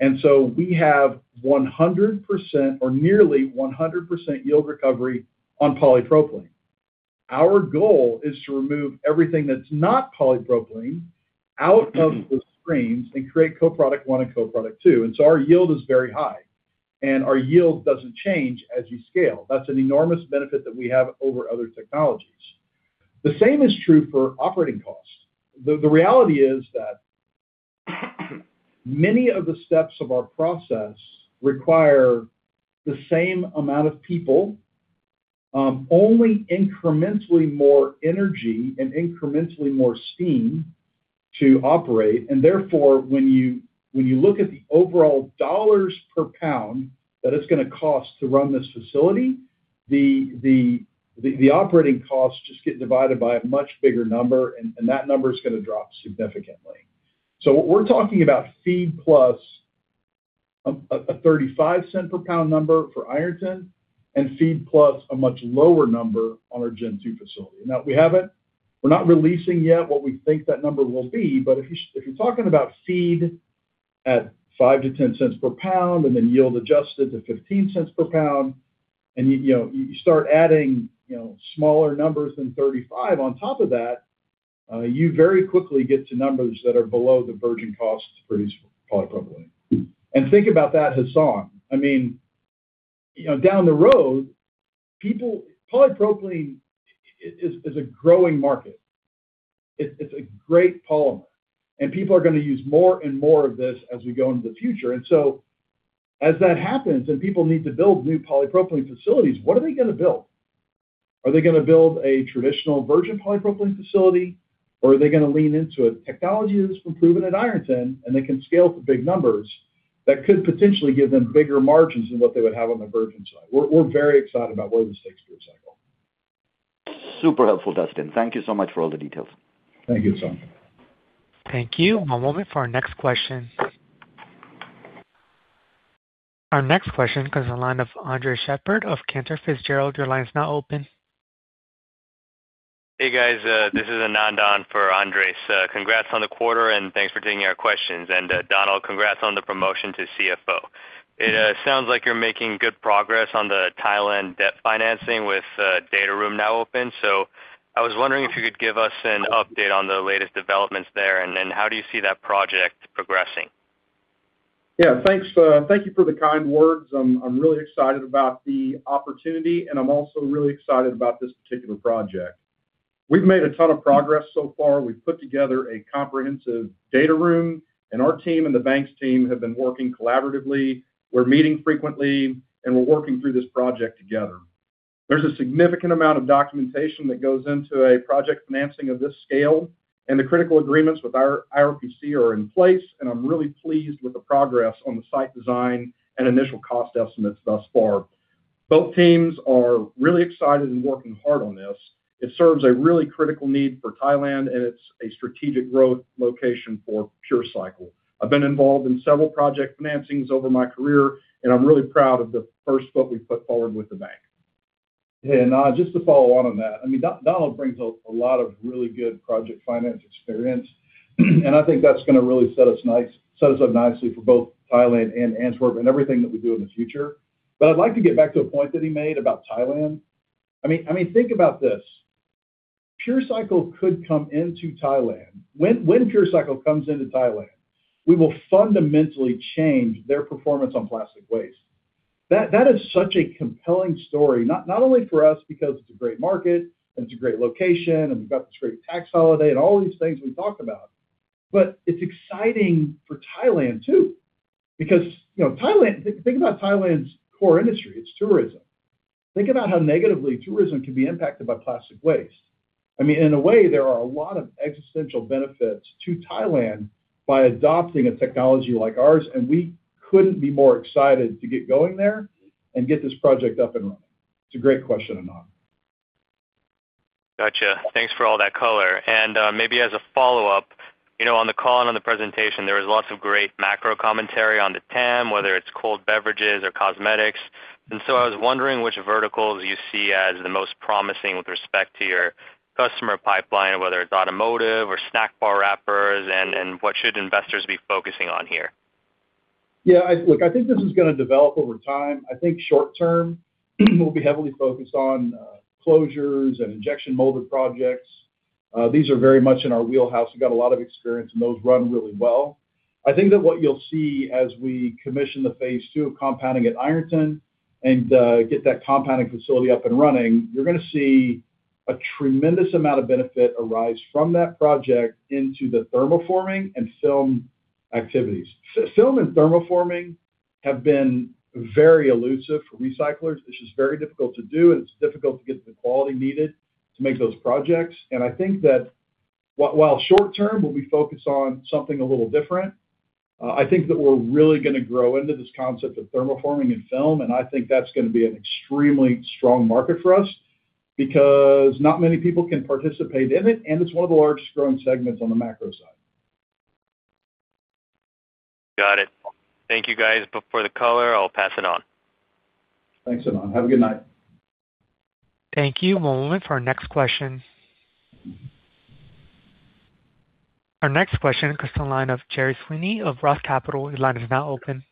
and so we have 100% or nearly 100% yield recovery on polypropylene. Our goal is to remove everything that's not polypropylene out of the streams and create co-product 1 and co-product 2. Our yield is very high, and our yield doesn't change as you scale. That's an enormous benefit that we have over other technologies. The same is true for operating costs. The reality is that many of the steps of our process require the same amount of people, only incrementally more energy and incrementally more steam to operate. Therefore, when you look at the overall dollars per pound that it's gonna cost to run this facility, the operating costs just get divided by a much bigger number, and that number is gonna drop significantly. What we're talking about feed plus a $0.35 per pound number for Ironton and feed plus a much lower number on our Gen 2 facility. We're not releasing yet what we think that number will be, but if you're talking about feed at $0.05-$0.10 per pound, and then yield adjusted to $0.15 per pound. You, you know, you start adding, you know, smaller numbers than 35 on top of that, you very quickly get to numbers that are below the virgin costs for these polypropylene. Think about that, Hassan. I mean, you know, down the road, people, polypropylene is a growing market. It's a great polymer, and people are going to use more and more of this as we go into the future. As that happens, and people need to build new polypropylene facilities, what are they going to build? Are they going to build a traditional virgin polypropylene facility, or are they going to lean into a technology that's been proven at Ironton and they can scale to big numbers that could potentially give them bigger margins than what they would have on the virgin side? We're very excited about where this takes PureCycle. Super helpful, Dustin. Thank you so much for all the details. Thank you, Hassan. Thank you. One moment for our next question. Our next question comes on the line of Andres Sheppard of Cantor Fitzgerald. Your line is now open. Hey, guys, this is Anand on for Andres Sheppard. Congrats on the quarter, thanks for taking our questions. Donald Carpenter, congrats on the promotion to CFO. It sounds like you're making good progress on the Thailand debt financing with data room now open. I was wondering if you could give us an update on the latest developments there, how do you see that project progressing? Thanks. Thank you for the kind words. I'm really excited about the opportunity, and I'm also really excited about this particular project. We've made a ton of progress so far. We've put together a comprehensive data room, and our team and the banks' team have been working collaboratively. We're meeting frequently, and we're working through this project together. There's a significant amount of documentation that goes into a project financing of this scale, and the critical agreements with our IRPC are in place, and I'm really pleased with the progress on the site design and initial cost estimates thus far. Both teams are really excited and working hard on this. It serves a really critical need for Thailand, and it's a strategic growth location for PureCycle. I've been involved in several project financings over my career, and I'm really proud of the first book we've put forward with the bank. Hey, Anand, just to follow on that, I mean, Donald brings a lot of really good project finance experience. I think that's going to really set us up nicely for both Thailand and Antwerp and everything that we do in the future. I'd like to get back to a point that he made about Thailand. I mean, think about this. PureCycle could come into Thailand. When PureCycle comes into Thailand, we will fundamentally change their performance on plastic waste. That is such a compelling story, not only for us, because it's a great market and it's a great location and we've got this great tax holiday and all these things we've talked about, but it's exciting for Thailand, too. You know, Thailand, think about Thailand's core industry, it's tourism. Think about how negatively tourism can be impacted by plastic waste. I mean, in a way, there are a lot of existential benefits to Thailand by adopting a technology like ours, and we couldn't be more excited to get going there and get this project up and running. It's a great question, Anand. Gotcha. Thanks for all that color. Maybe as a follow-up, you know, on the call and on the presentation, there was lots of great macro commentary on the TAM, whether it's cold beverages or cosmetics. I was wondering which verticals you see as the most promising with respect to your customer pipeline, whether it's automotive or snack bar wrappers, and what should investors be focusing on here? Yeah, look, I think this is going to develop over time. I think short term, we'll be heavily focused on closures and injection molded projects. These are very much in our wheelhouse. We've got a lot of experience, and those run really well. I think that what you'll see as we commission the phase two of compounding at Ironton and get that compounding facility up and running, you're going to see a tremendous amount of benefit arise from that project into the thermoforming and film activities. Film and thermoforming have been very elusive for recyclers. It's just very difficult to do, and it's difficult to get the quality needed to make those projects. I think that while short term, we'll be focused on something a little different, I think that we're really going to grow into this concept of thermoforming and film, and I think that's going to be an extremely strong market for us because not many people can participate in it, and it's one of the largest growing segments on the macro side. Got it. Thank you, guys, for the color. I'll pass it on. Thanks, Anand. Have a good night. Thank you. One moment for our next question. Our next question comes to the line of Gerry Sweeney of ROTH Capital. Your line is now open.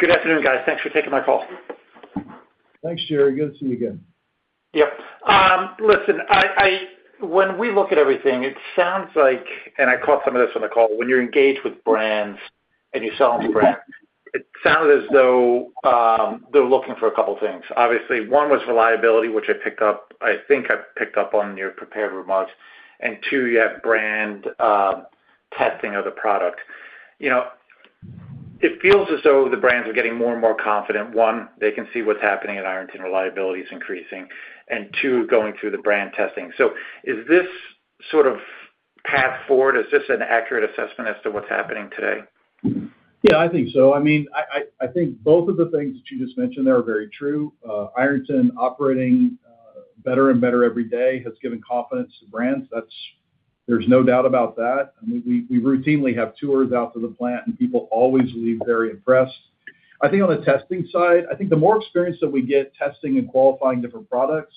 Good afternoon, guys. Thanks for taking my call. Thanks, Gerry. Good to see you again. Yep. Listen, when we look at everything, it sounds like, and I caught some of this on the call, when you're engaged with brands and you sell them to brands, it sounds as though they're looking for a couple things. Obviously, one was reliability, which I picked up, I think I picked up on your prepared remarks, and two, you have brand testing of the product. You know, it feels as though the brands are getting more and more confident. One, they can see what's happening at Ironton, reliability is increasing, and two, going through the brand testing. Is this sort of path forward, is this an accurate assessment as to what's happening today? Yeah, I think so. I mean, I think both of the things that you just mentioned there are very true. Ironton operating better and better every day has given confidence to brands. That's, there's no doubt about that. I mean, we routinely have tours out to the plant, and people always leave very impressed. I think on the testing side, the more experience that we get testing and qualifying different products.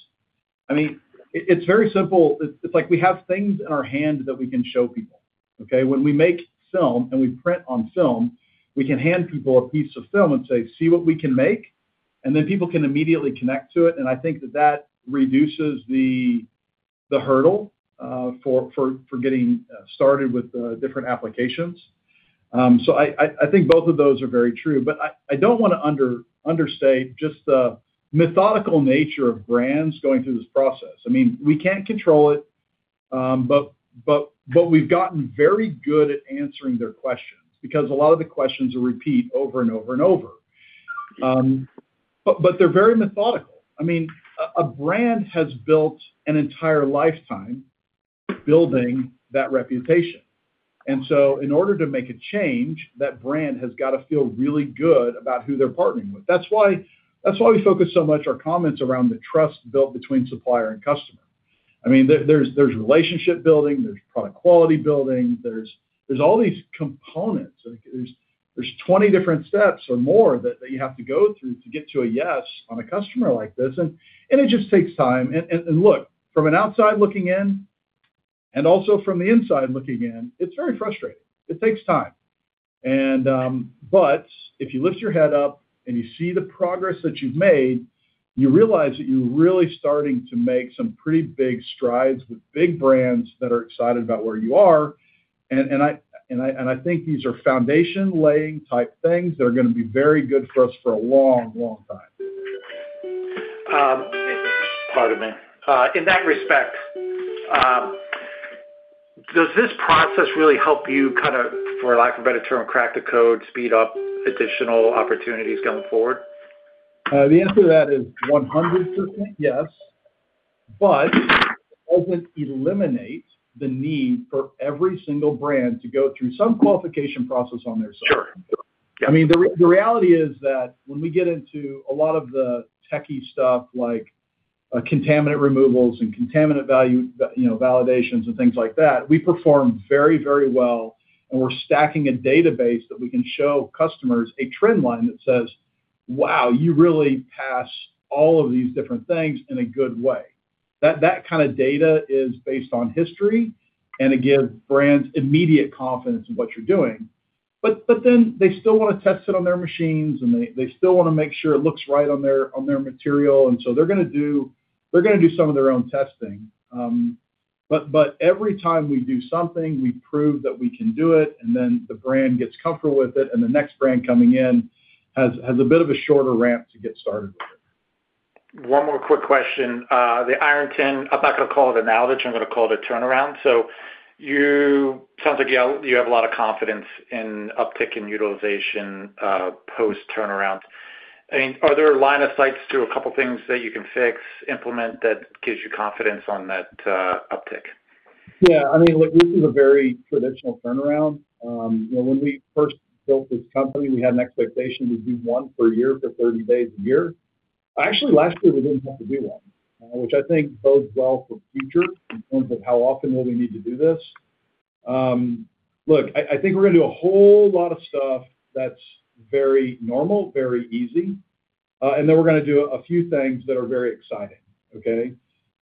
I mean, it's very simple. It's like we have things in our hand that we can show people, okay? When we make film and we print on film, we can hand people a piece of film and say, "See what we can make?" Then people can immediately connect to it. I think that reduces the hurdle for getting started with the different applications. I think both of those are very true, but I don't want to understate just the methodical nature of brands going through this process. I mean, we can't control it, but we've gotten very good at answering their questions because a lot of the questions are repeat over and over and over. They're very methodical. I mean, a brand has built an entire lifetime building that reputation. In order to make a change, that brand has got to feel really good about who they're partnering with. That's why we focus so much our comments around the trust built between supplier and customer. I mean, there's relationship building, there's product quality building, there's all these components. Like there's 20 different steps or more that you have to go through to get to a yes on a customer like this. It just takes time. Look, from an outside looking in and also from the inside looking in, it's very frustrating. It takes time. But if you lift your head up and you see the progress that you've made, you realize that you're really starting to make some pretty big strides with big brands that are excited about where you are. I think these are foundation laying type things that are going to be very good for us for a long, long time. Pardon me. In that respect, does this process really help you kind of, for lack of a better term, crack the code, speed up additional opportunities going forward? The answer to that is 100% yes, but it doesn't eliminate the need for every single brand to go through some qualification process on their side. Sure. I mean, the reality is that when we get into a lot of the techie stuff like, contaminant removals and contaminant value, you know, validations and things like that, we perform very, very well. We're stacking a database that we can show customers a trend line that says, "Wow, you really pass all of these different things in a good way." That kind of data is based on history, and it gives brands immediate confidence in what you're doing. They still want to test it on their machines, and they still want to make sure it looks right on their material. They're going to do some of their own testing. Every time we do something, we prove that we can do it, and then the brand gets comfortable with it, and the next brand coming in has a bit of a shorter ramp to get started with it. One more quick question. The Ironton, I'm not going to call it an outage, I'm going to call it a turnaround. You sound like you have a lot of confidence in uptick in utilization post-turnaround. I mean, are there a line of sights to a couple of things that you can fix, implement that gives you confidence on that uptick? I mean, look, this is a very traditional turnaround. you know, when we first built this company, we had an expectation to do one per year for 30 days a year. Actually, last year, we didn't have to do one, which I think bodes well for future in terms of how often will we need to do this. Look, I think we're going to do a whole lot of stuff that's very normal, very easy, and then we're going to do a few things that are very exciting, okay.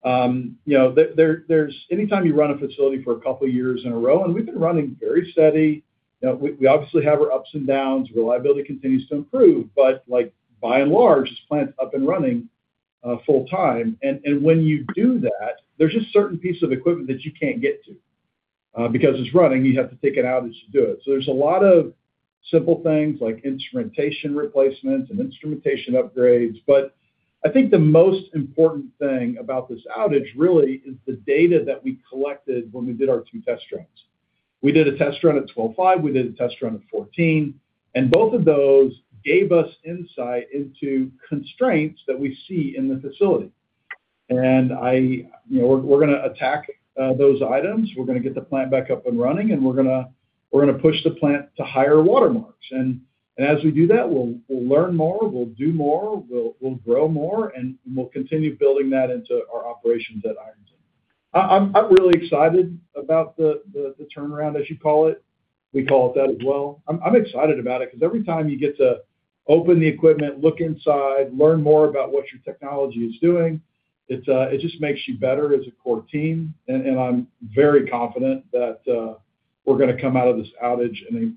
you know, there's anytime you run a facility for a couple of years in a row, and we've been running very steady. You know, we obviously have our ups and downs. Reliability continues to improve. Like, by and large, this plant is up and running, full time. When you do that, there's just certain pieces of equipment that you can't get to because it's running, you have to take it out to do it. There's a lot of simple things like instrumentation replacements and instrumentation upgrades. I think the most important thing about this outage really is the data that we collected when we did our two test runs. We did a test run at 12.5, we did a test run at 14, both of those gave us insight into constraints that we see in the facility. You know, we're going to attack those items. We're going to get the plant back up and running, and we're going to push the plant to higher watermarks. As we do that, we'll learn more, we'll do more, we'll grow more, and we'll continue building that into our operations at Ironton. I'm really excited about the turnaround, as you call it. We call it that as well. I'm excited about it because every time you get to open the equipment, look inside, learn more about what your technology is doing, it just makes you better as a core team. I'm very confident that we're going to come out of this outage in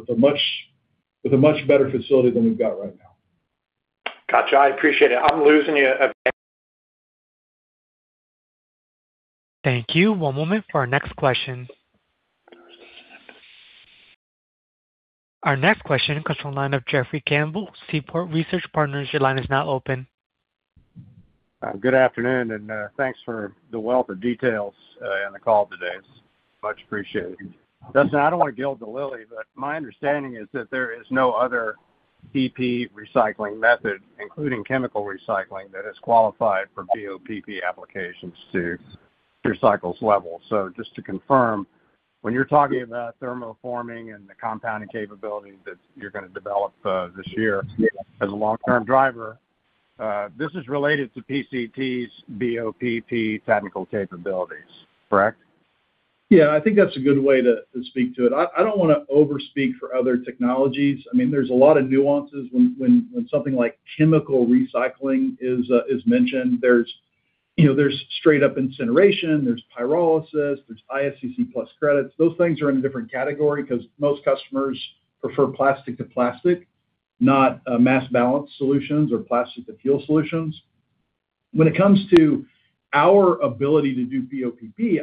a much better facility than we've got right now. Got you. I appreciate it. I'm losing you a bit. Thank you. One moment for our next question. Our next question comes from the line of Jeffrey Campbell, Seaport Research Partners. Your line is now open. Good afternoon, and thanks for the wealth of details in the call today. It's much appreciated. Dustin, I don't want to gild the lily, but my understanding is that there is no other PP recycling method, including chemical recycling, that is qualified for BOPP applications to PureCycle's level. Just to confirm, when you're talking about thermoforming and the compounding capabilities that you're going to develop this year as a long-term driver, this is related to PCT's BOPP technical capabilities, correct? I think that's a good way to speak to it. I don't want to over speak for other technologies. I mean, there's a lot of nuances when something like chemical recycling is mentioned. There's, you know, there's straight up incineration, there's pyrolysis, there's ISCC PLUS credits. Those things are in a different category because most customers prefer plastic to plastic, not mass balance solutions or plastic to fuel solutions. When it comes to our ability to do BOPP,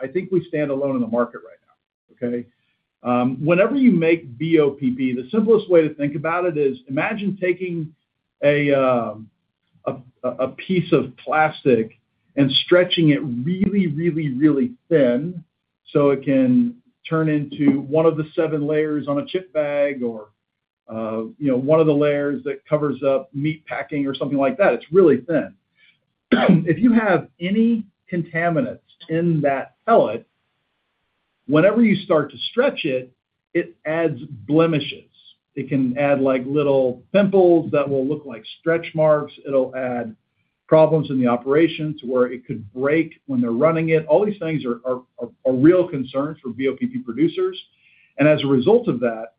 I think we stand alone in the market right now, okay? Whenever you make BOPP, the simplest way to think about it is imagine taking a piece of plastic and stretching it really, really, really thin so it can turn into one of the seven layers on a chip bag or, you know, one of the layers that covers up meat packing or something like that. It's really thin. If you have any contaminants in that pellet, whenever you start to stretch it adds blemishes. It can add like little pimples that will look like stretch marks. It'll add problems in the operations where it could break when they're running it. All these things are real concerns for BOPP producers. As a result of that,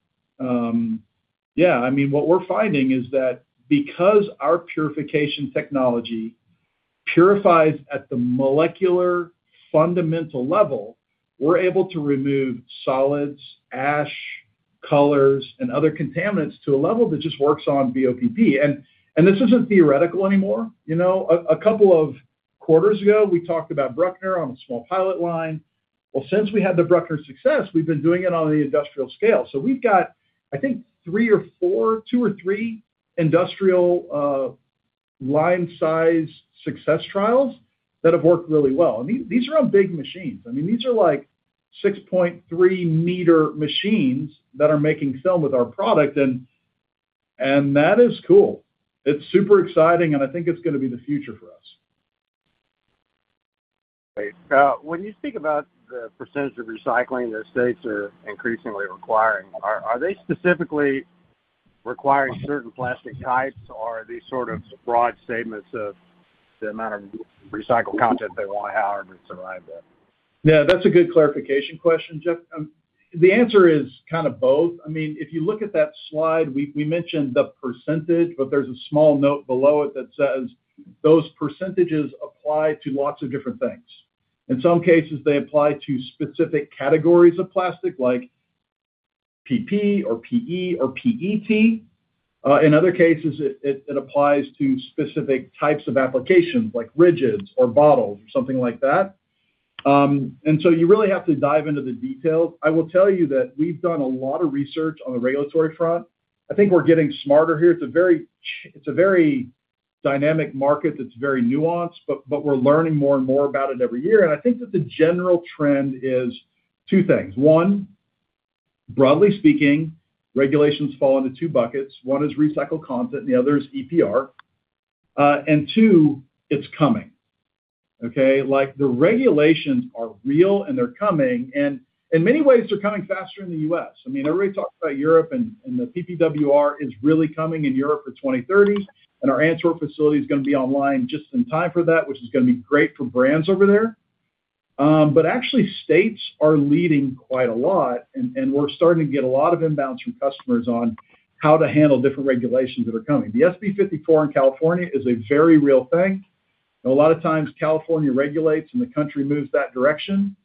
yeah, I mean, what we're finding is that because our purification technology purifies at the molecular fundamental level, we're able to remove solids, ash, colors, and other contaminants to a level that just works on BOPP. This isn't theoretical anymore, you know. A couple of quarters ago, we talked about Brückner on a small pilot line. Since we had the Brückner success, we've been doing it on the industrial scale. We've got, I think, two or three industrial line size success trials that have worked really well. I mean, these are on big machines. I mean, these are like 6.3 m machines that are making film with our product, and that is cool. It's super exciting, and I think it's going to be the future for us. Great. When you think about the percent of recycling that states are increasingly requiring, are they specifically requiring certain plastic types, or are these sort of broad statements of the amount of recycled content they want to have and survive that? Yeah, that's a good clarification question, Jeff. The answer is kind of both. I mean, if you look at that slide, we mentioned the percentage, but there's a small note below it that says those percentages apply to lots of different things. In some cases, they apply to specific categories of plastic like PP or PE or PET. In other cases, it applies to specific types of applications like rigids or bottles or something like that. So you really have to dive into the details. I will tell you that we've done a lot of research on the regulatory front. I think we're getting smarter here. It's a very dynamic market that's very nuanced, but we're learning more and more about it every year. I think that the general trend is two things. One, broadly speaking, regulations fall into two buckets. One is recycled content, the other is EPR. Two, it's coming. Okay? Like, the regulations are real, and they're coming, and in many ways, they're coming faster in the U.S. I mean, everybody talks about Europe and the PPWR is really coming in Europe for 2030, and our Antwerp facility is going to be online just in time for that, which is going to be great for brands over there. Actually, states are leading quite a lot, and we're starting to get a lot of inbounds from customers on how to handle different regulations that are coming. The SB 54 in California is a very real thing. A lot of times California regulates, and the country moves that direction.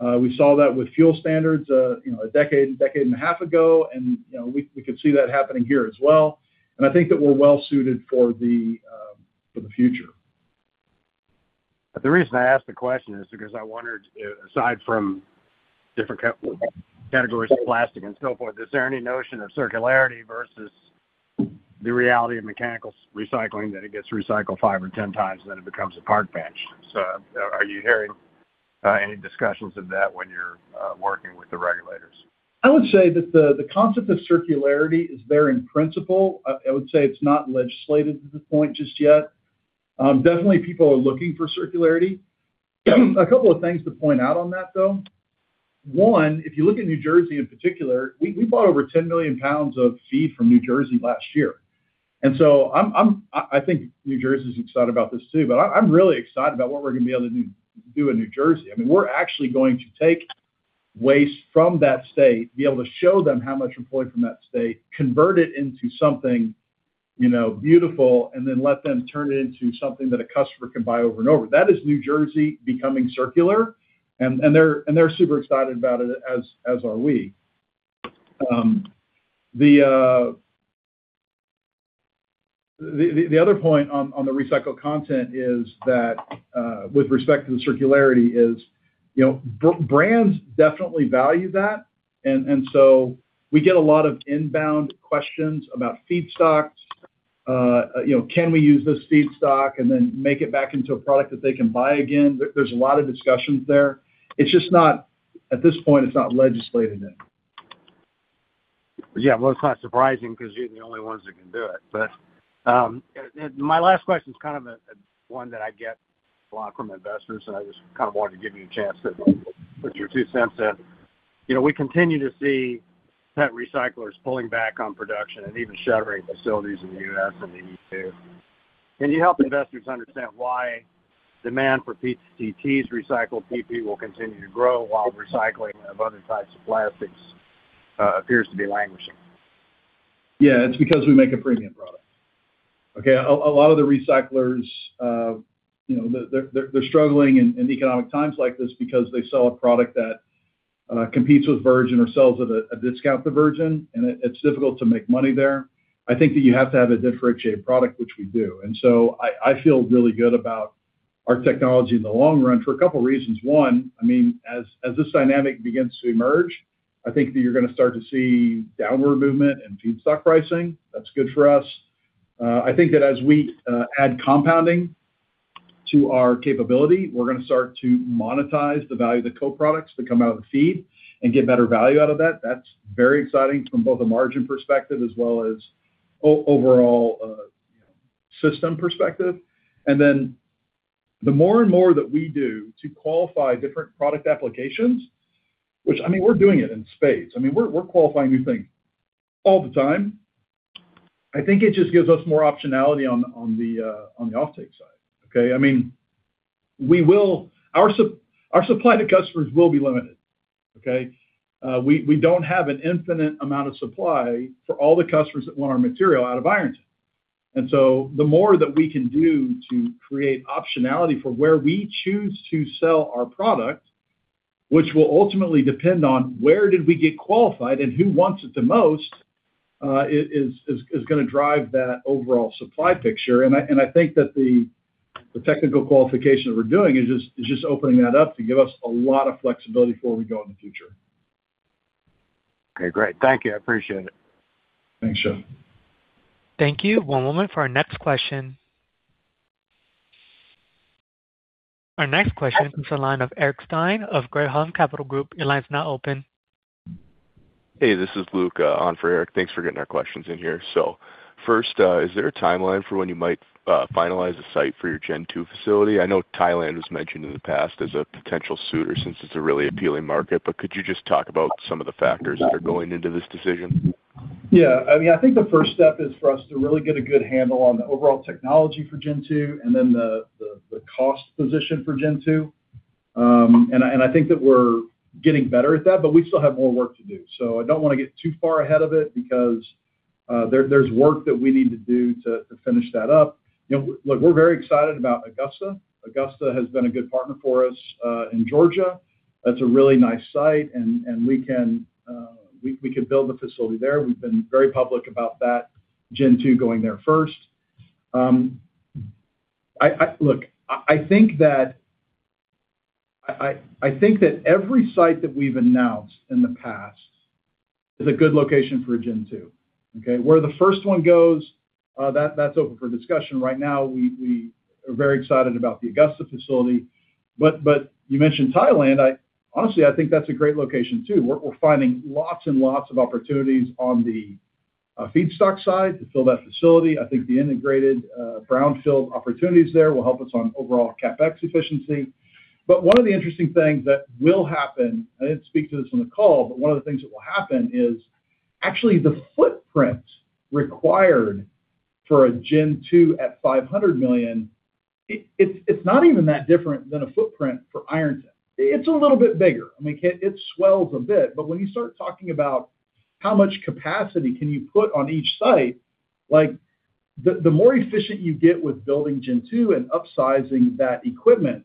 We saw that with fuel standards, you know, a decade and a half ago. you know, we could see that happening here as well. I think that we're well suited for the future. The reason I ask the question is because I wondered aside from different categories of plastic and so forth, is there any notion of circularity versus the reality of mechanical recycling that it gets recycled five or 10 times, then it becomes a park bench? Are you hearing any discussions of that when you're working with the regulators? I would say that the concept of circularity is there in principle. I would say it's not legislated to the point just yet. Definitely people are looking for circularity. A couple of things to point out on that, though. One, if you look at New Jersey in particular, we bought over 10 million lbs of feed from New Jersey last year. I think New Jersey's excited about this too, but I'm really excited about what we're going to be able to do in New Jersey. I mean, we're actually going to take waste from that state, be able to show them how much employed from that state, convert it into something, you know, beautiful, and then let them turn it into something that a customer can buy over and over. That is New Jersey becoming circular, and they're super excited about it as are we. The other point on the recycled content is that with respect to the circularity is, you know, brands definitely value that. So we get a lot of inbound questions about feedstocks, you know, can we use this feedstock and then make it back into a product that they can buy again? There's a lot of discussions there. It's just not at this point, it's not legislated in. Yeah. Well, it's not surprising because you're the only ones that can do it. My last question is kind of a one that I get a lot from investors, and I just kind of wanted to give you a chance to put your two cents in. You know, we continue to see PET recyclers pulling back on production and even shuttering facilities in the U.S. and the U.K. Can you help investors understand why demand for recycled PP will continue to grow while recycling of other types of plastics appears to be languishing? Yeah, it's because we make a premium product. Okay, a lot of the recyclers, you know, they're struggling in economic times like this because they sell a product that competes with virgin or sells at a discount to virgin, and it's difficult to make money there. I think that you have to have a differentiated product, which we do. I feel really good about our technology in the long run for a couple reasons. One, I mean, as this dynamic begins to emerge, I think that you're gonna start to see downward movement in feedstock pricing. That's good for us. I think that as we add compounding to our capability, we're gonna start to monetize the value of the co-products that come out of the feed and get better value out of that. That's very exciting from both a margin perspective as well as overall system perspective. Then the more and more that we do to qualify different product applications, which. I mean, we're doing it in spades. I mean, we're qualifying new things all the time. I think it just gives us more optionality on the offtake side, okay. I mean, Our supply to customers will be limited, okay. We don't have an infinite amount of supply for all the customers that want our material out of Ironton. So the more that we can do to create optionality for where we choose to sell our product, which will ultimately depend on where did we get qualified and who wants it the most, is gonna drive that overall supply picture. I think that the technical qualification that we're doing is just opening that up to give us a lot of flexibility for where we go in the future. Okay, great. Thank you. I appreciate it. Thanks, Jeff. Thank you. One moment for our next question. Our next question comes from the line of Eric Stine of Craig-Hallum Capital Group. Your line's now open. Hey, this is Luke on for Eric. Thanks for getting our questions in here. First, is there a timeline for when you might finalize the site for your Gen 2 facility? I know Thailand was mentioned in the past as a potential suitor since it's a really appealing market. Could you just talk about some of the factors that are going into this decision? Yeah. I mean, I think the first step is for us to really get a good handle on the overall technology for Gen 2 and then the cost position for Gen 2. I think that we're getting better at that, we still have more work to do. I don't wanna get too far ahead of it because there's work that we need to do to finish that up. You know, look, we're very excited about Augusta. Augusta has been a good partner for us in Georgia. That's a really nice site, and we could build the facility there. We've been very public about that Gen 2 going there first. Look, I think that every site that we've announced in the past is a good location for a Gen 2, okay? Where the first one goes, that's open for discussion right now. We are very excited about the Augusta facility. You mentioned Thailand. Honestly, I think that's a great location too. We're finding lots and lots of opportunities on the feedstock side to fill that facility. I think the integrated brownfield opportunities there will help us on overall CapEx efficiency. One of the interesting things that will happen, I didn't speak to this on the call, but one of the things that will happen is actually the footprint required for a Gen 2 at 500 million, it's not even that different than a footprint for Ironton. It's a little bit bigger. I mean, it swells a bit. When you start talking about how much capacity can you put on each site, like the more efficient you get with building Gen 2 and upsizing that equipment,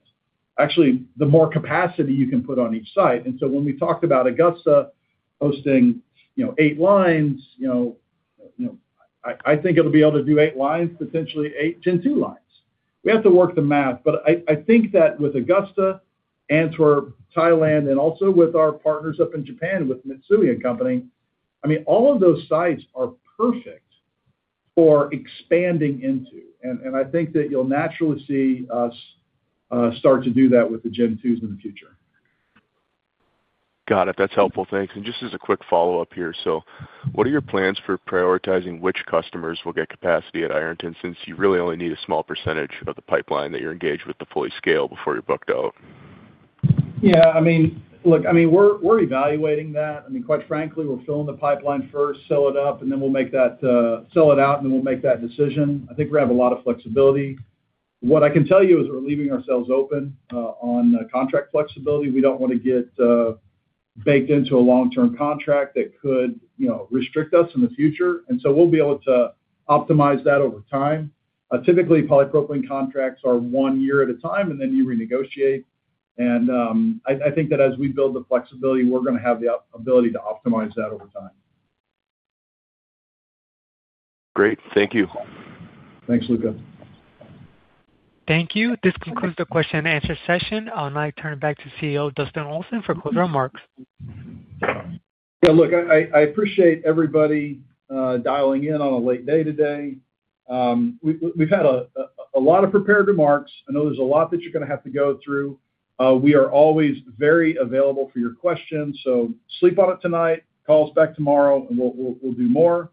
actually, the more capacity you can put on each site. When we talked about Augusta hosting, you know, eight lines, I think it'll be able to do eight lines, potentially eight Gen 2 lines. We have to work the math, but I think that with Augusta, Antwerp, Thailand, and also with our partners up in Japan with Mitsui & Co., I mean, all of those sites are perfect for expanding into. I think that you'll naturally see us start to do that with the Gen 2s in the future. Got it. That's helpful. Thanks. Just as a quick follow-up here. What are your plans for prioritizing which customers will get capacity at Ironton since you really only need a small percentage of the pipeline that you're engaged with to fully scale before you're booked out? Yeah, Look, we're evaluating that. quite frankly, we're filling the pipeline first, sell it up, and then we'll make that, sell it out, and then we'll make that decision. I think we have a lot of flexibility. What I can tell you is we're leaving ourselves open on contract flexibility. We don't wanna get baked into a long-term contract that could, you know, restrict us in the future. We'll be able to optimize that over time. Typically, polypropylene contracts are one year at a time, and then you renegotiate. I think that as we build the flexibility, we're gonna have the ability to optimize that over time. Great. Thank you. Thanks, Luke. Thank you. This concludes the question and answer session. I'll now turn it back to CEO Dustin Olson for closing remarks. Yeah, look, I appreciate everybody, dialing in on a late day today. We've had a lot of prepared remarks. I know there's a lot that you're gonna have to go through. We are always very available for your questions, sleep on it tonight, call us back tomorrow and we'll do more.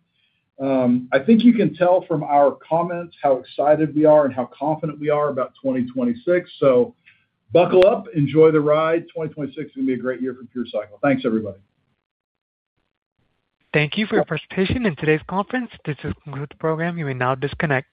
I think you can tell from our comments how excited we are and how confident we are about 2026, buckle up, enjoy the ride. 2026 is gonna be a great year for PureCycle. Thanks, everybody. Thank you for your participation in today's conference. This does conclude the program. You may now disconnect.